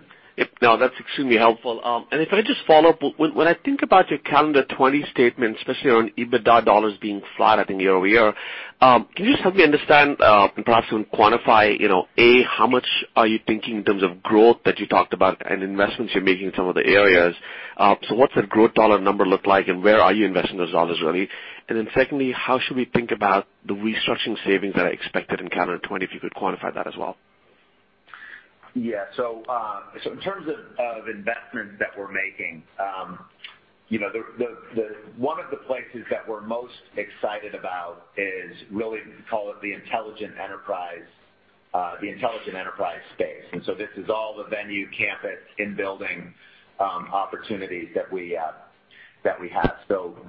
No, that's extremely helpful. If I just follow up, when I think about your calendar 2020 statement, especially on EBITDA dollars being flat, I think year-over-year, can you just help me understand, and perhaps even quantify, A, how much are you thinking in terms of growth that you talked about and investments you're making in some of the areas? What's that growth dollar number look like, and where are you investing those dollars, really? Then secondly, how should we think about the restructuring savings that are expected in calendar 2020, if you could quantify that as well? Yeah. In terms of investments that we're making, one of the places that we're most excited about is really, call it, the intelligent enterprise space. This is all the venue campus in building opportunities that we have.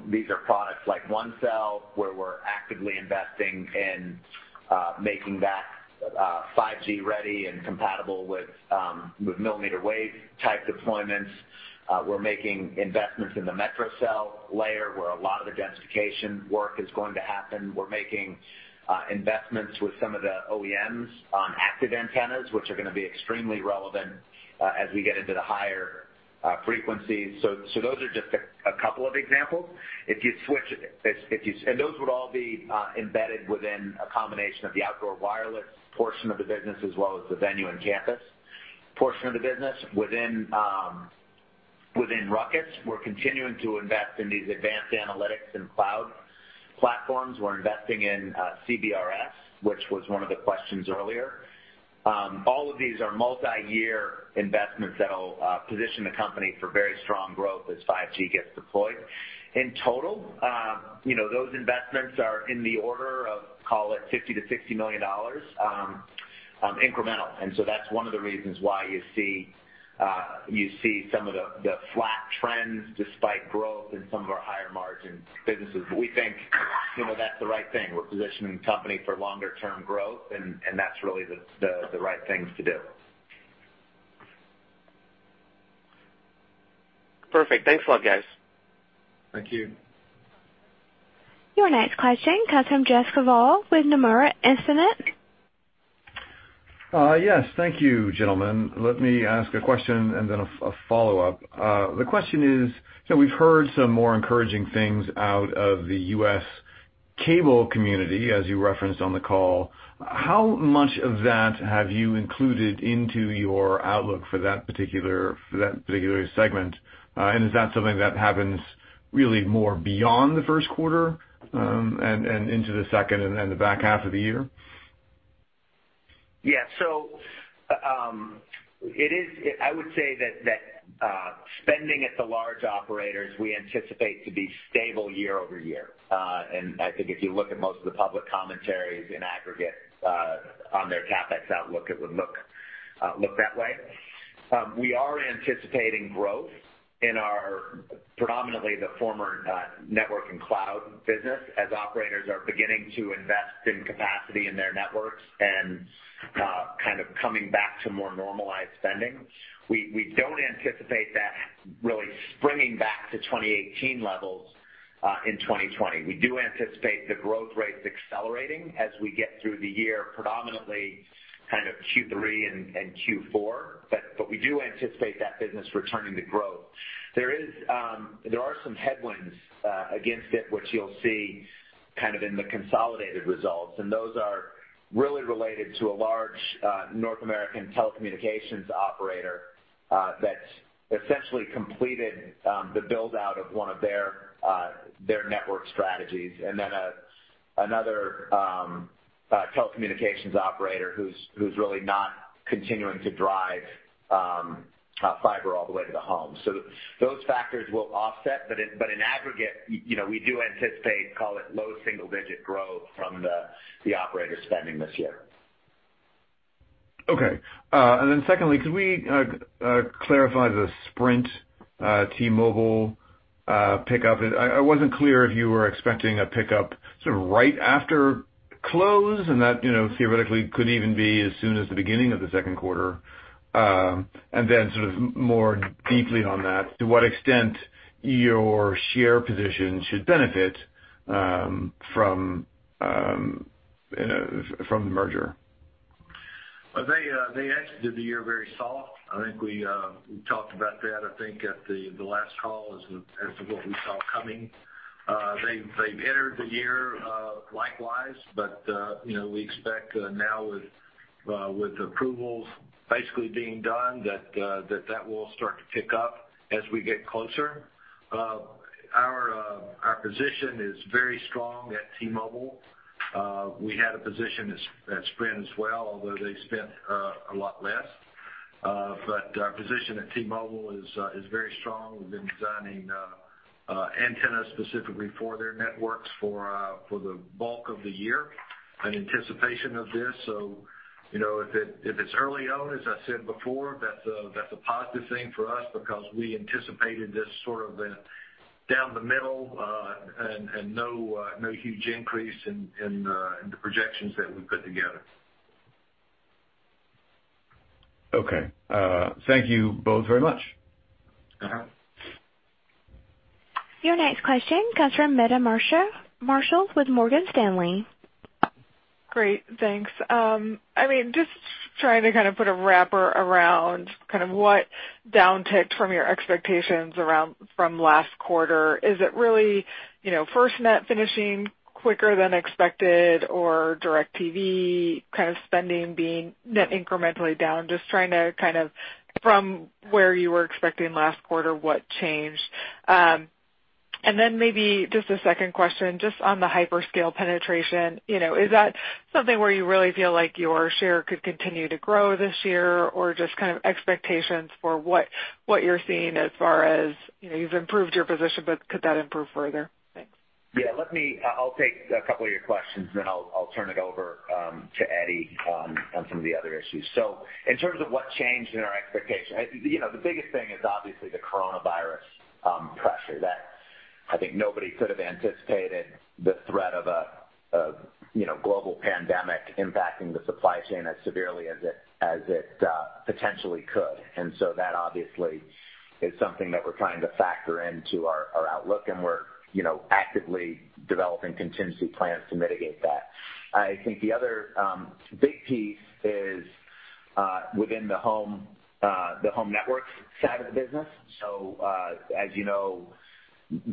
These are products like ONECELL, where we're actively investing in making that 5G ready and compatible with millimeter wave-type deployments. We're making investments in the metrocell layer, where a lot of the densification work is going to happen. We're making investments with some of the OEMs on active antennas, which are going to be extremely relevant as we get into the higher frequencies. Those are just a couple of examples. Those would all be embedded within a combination of the outdoor wireless portion of the business, as well as the venue and campus portion of the business. Within Ruckus, we're continuing to invest in these advanced analytics and cloud platforms. We're investing in CBRS, which was one of the questions earlier. All of these are multi-year investments that'll position the company for very strong growth as 5G gets deployed. In total, those investments are in the order of, call it $50 million-$60 million incremental. That's one of the reasons why you see some of the flat trends despite growth in some of our higher margin businesses. We think that's the right thing. We're positioning the company for longer term growth, and that's really the right thing to do. Perfect. Thanks a lot, guys. Thank you. Your next question comes from Jessica Voll with Nomura Instinet. Yes. Thank you, gentlemen. Let me ask a question and then a follow-up. The question is, we've heard some more encouraging things out of the U.S. cable community, as you referenced on the call. How much of that have you included into your outlook for that particular segment? Is that something that happens really more beyond the first quarter and into the second and the back half of the year? I would say that spending at the large operators, we anticipate to be stable year-over-year. I think if you look at most of the public commentaries in aggregate on their CapEx outlook, it would look that way. We are anticipating growth in our predominantly the former Network & Cloud business as operators are beginning to invest in capacity in their networks and coming back to more normalized spending. We don't anticipate that really springing back to 2018 levels, in 2020. We do anticipate the growth rates accelerating as we get through the year, predominantly Q3 and Q4. We do anticipate that business returning to growth. There are some headwinds against it, which you'll see in the consolidated results, those are really related to a large North American telecommunications operator that essentially completed the build-out of one of their network strategies. Another telecommunications operator who's really not continuing to drive fiber all the way to the home. Those factors will offset, but in aggregate, we do anticipate, call it, low single-digit growth from the operator spending this year. Okay. Secondly, could we clarify the Sprint T-Mobile pickup? I wasn't clear if you were expecting a pickup right after close and that theoretically could even be as soon as the beginning of the second quarter. More deeply on that, to what extent your share position should benefit from the merger? They exited the year very soft. I think we talked about that, I think, at the last call as to what we saw coming. They've entered the year likewise. We expect now with approvals basically being done, that will start to pick up as we get closer. Our position is very strong at T-Mobile. We had a position at Sprint as well, although they spent a lot less. Our position at T-Mobile is very strong. We've been designing antennas specifically for their networks for the bulk of the year in anticipation of this. If it's early on, as I said before, that's a positive thing for us because we anticipated this sort of a down the middle, and no huge increase in the projections that we put together. Okay. Thank you both very much. Your next question comes from Meta Marshall with Morgan Stanley. Great, thanks. Just trying to put a wrapper around what downticked from your expectations around from last quarter. Is it really FirstNet finishing quicker than expected or DirecTV spending being net incrementally down? Just trying to from where you were expecting last quarter, what changed? Then maybe just a second question, just on the hyperscale penetration. Is that something where you really feel like your share could continue to grow this year or just expectations for what you're seeing as far as you've improved your position, but could that improve further? Thanks. Yeah. I'll take a couple of your questions, I'll turn it over to Eddie on some of the other issues. In terms of what changed in our expectation, the biggest thing is obviously the coronavirus pressure that I think nobody could have anticipated the threat of a global pandemic impacting the supply chain as severely as it potentially could. That obviously is something that we're trying to factor into our outlook, and we're actively developing contingency plans to mitigate that. I think the other big piece is within the Home Networks side of the business. As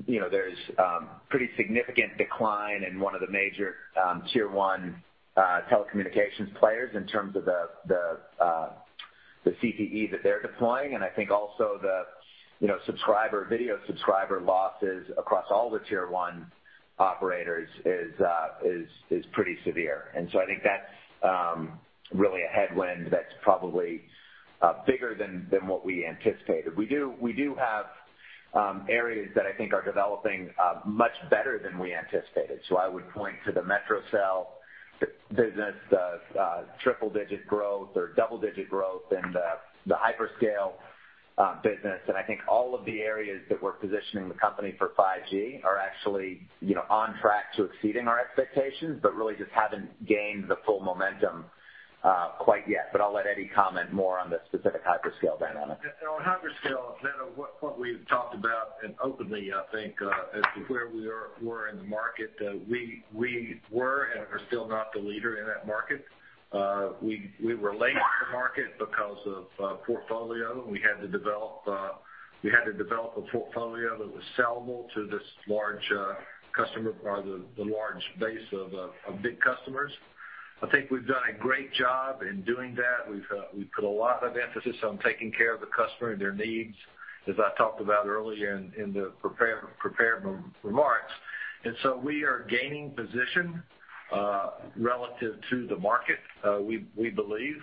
you know there's pretty significant decline in one of the major tier one telecommunications players in terms of the CPE that they're deploying. I think also the video subscriber losses across all the tier one operators is pretty severe. I think that's really a headwind that's probably bigger than what we anticipated. We do have areas that I think are developing much better than we anticipated. I would point to the metrocell business, the triple-digit growth or double-digit growth in the hyperscale business. I think all of the areas that we're positioning the company for 5G are actually on track to exceeding our expectations but really just haven't gained the full momentum quite yet. I'll let Eddie comment more on the specific hyperscale dynamic. On hyperscale, Meta, what we've talked about and openly, I think, as to where we are in the market, we were and are still not the leader in that market. We were late to the market because of portfolio. We had to develop a portfolio that was sellable to this large customer or the large base of big customers. I think we've done a great job in doing that. We've put a lot of emphasis on taking care of the customer and their needs, as I talked about earlier in the prepared remarks. We are gaining position relative to the market. We believe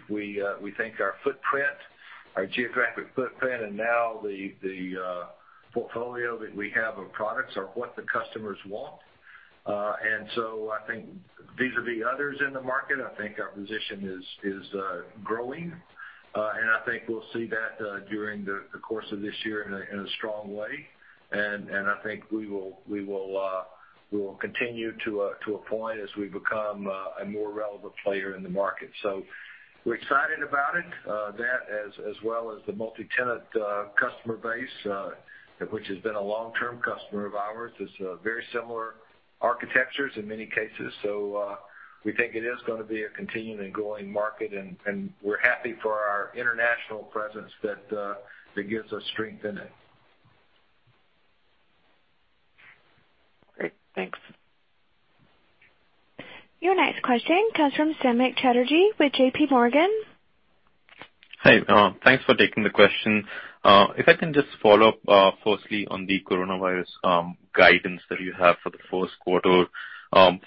our geographic footprint and now the portfolio that we have of products are what the customers want. I think vis-a-vis others in the market, I think our position is growing, and I think we'll see that during the course of this year in a strong way. I think we will continue to appoint as we become a more relevant player in the market. We're excited about it, that as well as the multi-tenant customer base, which has been a long-term customer of ours. It's very similar architectures in many cases. We think it is going to be a continuing and growing market, and we're happy for our international presence that gives us strength in it. Great, thanks. Your next question comes from Samik Chatterjee with JPMorgan. Hi, thanks for taking the question. If I can just follow up firstly on the coronavirus guidance that you have for the first quarter, how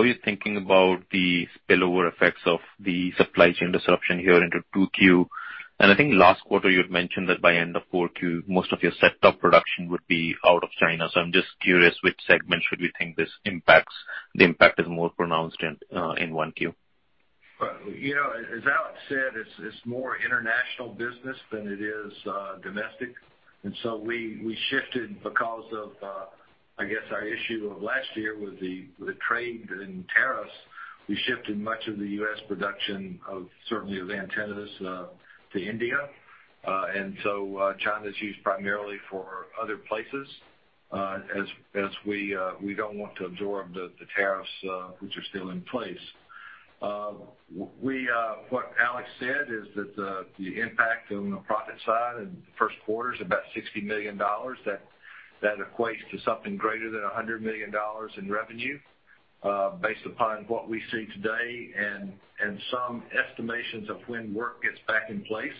are you thinking about the spillover effects of the supply chain disruption here into 2Q? I think last quarter you had mentioned that by end of 4Q, most of your set-top production would be out of China. I'm just curious which segment should we think the impact is more pronounced in 1Q? As Alex said, it's more international business than it is domestic. We shifted because of, I guess, our issue of last year with the trade and tariffs. We shifted much of the U.S. production certainly of antennas to India. China's used primarily for other places, as we don't want to absorb the tariffs which are still in place. What Alex said is that the impact on the profit side in the first quarter is about $60 million. That equates to something greater than $100 million in revenue, based upon what we see today and some estimations of when work gets back in place.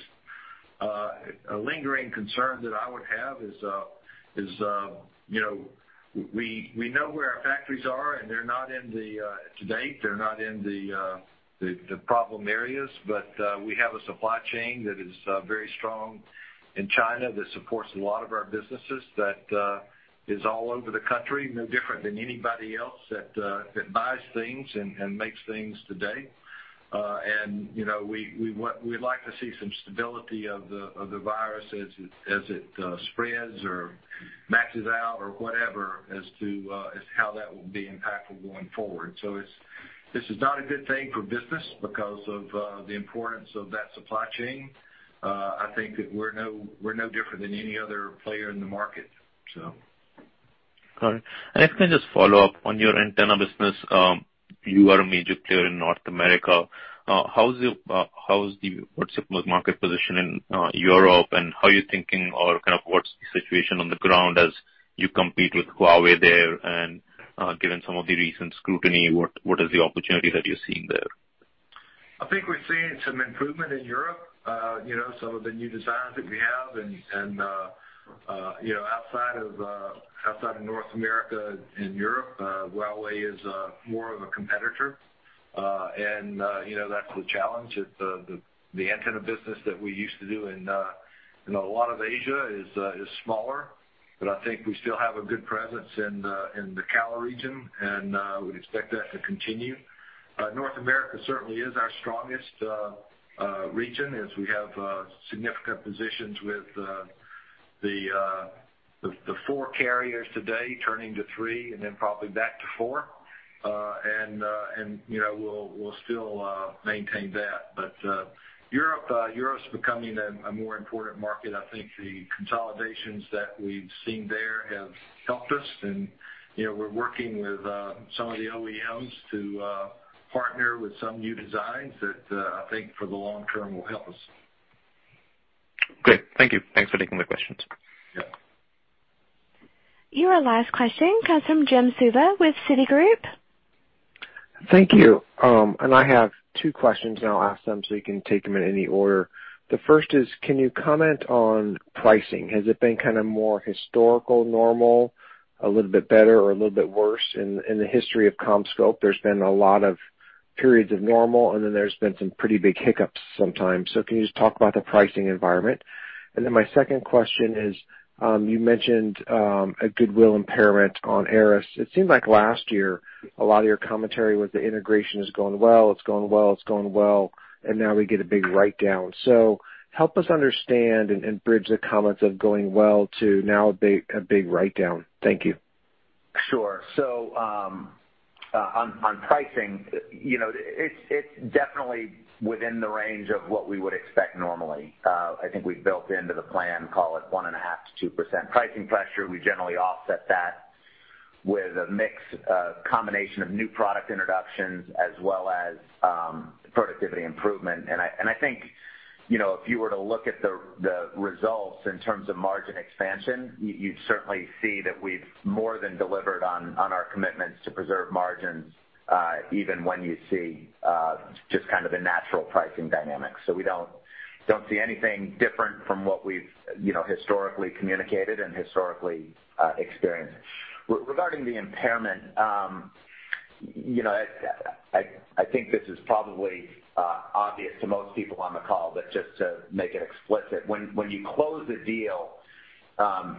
A lingering concern that I would have is we know where our factories are, and to date, they're not in the problem areas. We have a supply chain that is very strong in China that supports a lot of our businesses that is all over the country, no different than anybody else that buys things and makes things today. We'd like to see some stability of the virus as it spreads or maxes out or whatever as to how that will be impactful going forward. This is not a good thing for business because of the importance of that supply chain. I think that we're no different than any other player in the market, so. Got it. If I can just follow up on your antenna business. You are a major player in North America. What's your market position in Europe and how are you thinking or kind of what's the situation on the ground as you compete with Huawei there and given some of the recent scrutiny, what is the opportunity that you're seeing there? I think we're seeing some improvement in Europe. Some of the new designs that we have and outside of North America and Europe, Huawei is more of a competitor. That's the challenge is the antenna business that we used to do in a lot of Asia is smaller, but I think we still have a good presence in the CALA region, and we'd expect that to continue. North America certainly is our strongest region as we have significant positions with the four carriers today turning to three and then probably back to four. We'll still maintain that. Europe's becoming a more important market. I think the consolidations that we've seen there have helped us and we're working with some of the OEMs to partner with some new designs that I think for the long term will help us. Great, thank you. Thanks for taking my questions. Yeah. Your last question comes from Jim Suva with Citigroup. Thank you. I have two questions, and I'll ask them so you can take them in any order. The first is, can you comment on pricing? Has it been kind of more historical, normal, a little bit better or a little bit worse? In the history of CommScope, there's been a lot of periods of normal, and then there's been some pretty big hiccups sometimes. Can you just talk about the pricing environment? My second question is, you mentioned a goodwill impairment on ARRIS. It seemed like last year a lot of your commentary was the integration is going well, it's going well, it's going well, and now we get a big write-down. Help us understand and bridge the comments of going well to now a big write-down. Thank you. Sure. On pricing, it's definitely within the range of what we would expect normally. I think we've built into the plan, call it 1.5%-2% pricing pressure. We generally offset that with a mix combination of new product introductions as well as productivity improvement. I think if you were to look at the results in terms of margin expansion, you'd certainly see that we've more than delivered on our commitments to preserve margins, even when you see just kind of a natural pricing dynamic. We don't see anything different from what we've historically communicated and historically experienced. Regarding the impairment. I think this is probably obvious to most people on the call, but just to make it explicit, when you close a deal,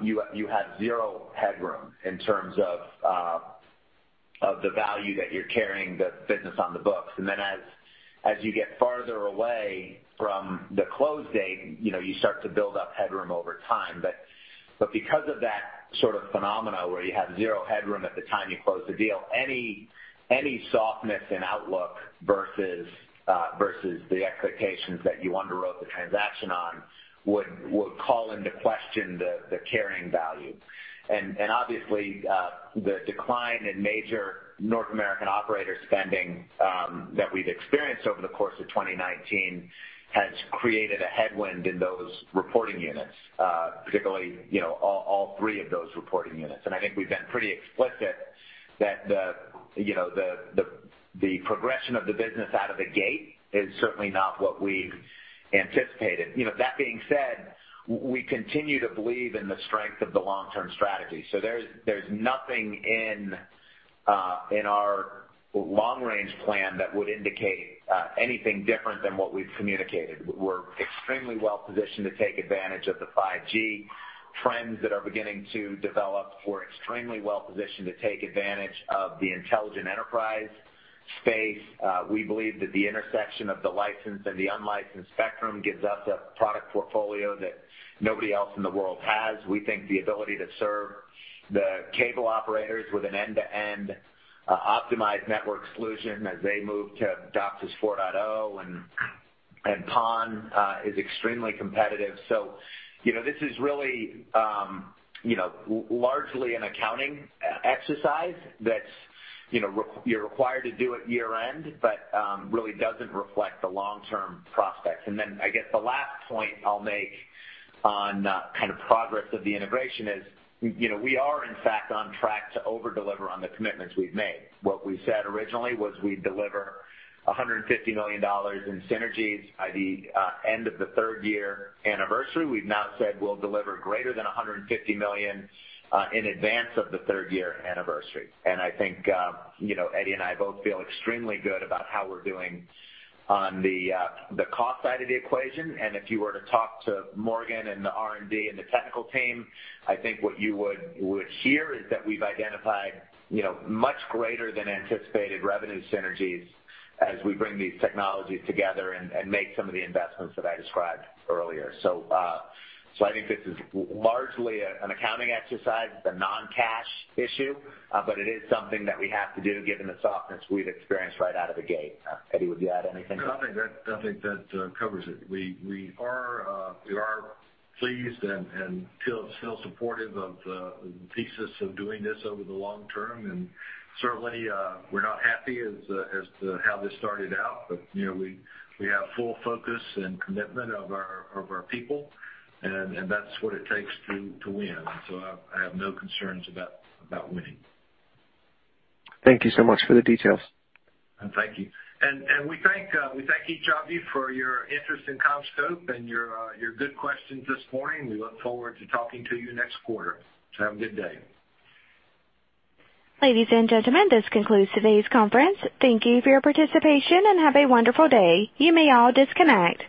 you have zero headroom in terms of the value that you're carrying the business on the books. As you get farther away from the close date, you start to build up headroom over time. Because of that sort of phenomena where you have zero headroom at the time you close the deal, any softness in outlook versus the expectations that you underwrote the transaction on would call into question the carrying value. Obviously, the decline in major North American operator spending that we've experienced over the course of 2019 has created a headwind in those reporting units, particularly all three of those reporting units. I think we've been pretty explicit that the progression of the business out of the gate is certainly not what we anticipated. That being said, we continue to believe in the strength of the long-term strategy. There's nothing in our long-range plan that would indicate anything different than what we've communicated. We're extremely well-positioned to take advantage of the 5G trends that are beginning to develop. We're extremely well-positioned to take advantage of the intelligent enterprise space. We believe that the intersection of the licensed and the unlicensed spectrum gives us a product portfolio that nobody else in the world has. We think the ability to serve the cable operators with an end-to-end optimized network solution as they move to DOCSIS 4.0 and PON is extremely competitive. This is really largely an accounting exercise that you're required to do at year-end, but really doesn't reflect the long-term prospects. I guess the last point I'll make on progress of the integration is, we are in fact on track to over-deliver on the commitments we've made. What we said originally was we'd deliver $150 million in synergies by the end of the third year anniversary. We've now said we'll deliver greater than $150 million in advance of the third year anniversary. I think Eddie and I both feel extremely good about how we're doing on the cost side of the equation. If you were to talk to Morgan and the R&D and the technical team, I think what you would hear is that we've identified much greater than anticipated revenue synergies as we bring these technologies together and make some of the investments that I described earlier. I think this is largely an accounting exercise. It's a non-cash issue. It is something that we have to do given the softness we've experienced right out of the gate. Eddie, would you add anything? No, I think that covers it. We are pleased and feel supportive of the thesis of doing this over the long term. Certainly, we're not happy as to how this started out, but we have full focus and commitment of our people, and that's what it takes to win. So I have no concerns about winning. Thank you so much for the details. Thank you. We thank each of you for your interest in CommScope and your good questions this morning. We look forward to talking to you next quarter. Have a good day. Ladies and gentlemen, this concludes today's conference. Thank you for your participation, and have a wonderful day. You may all disconnect.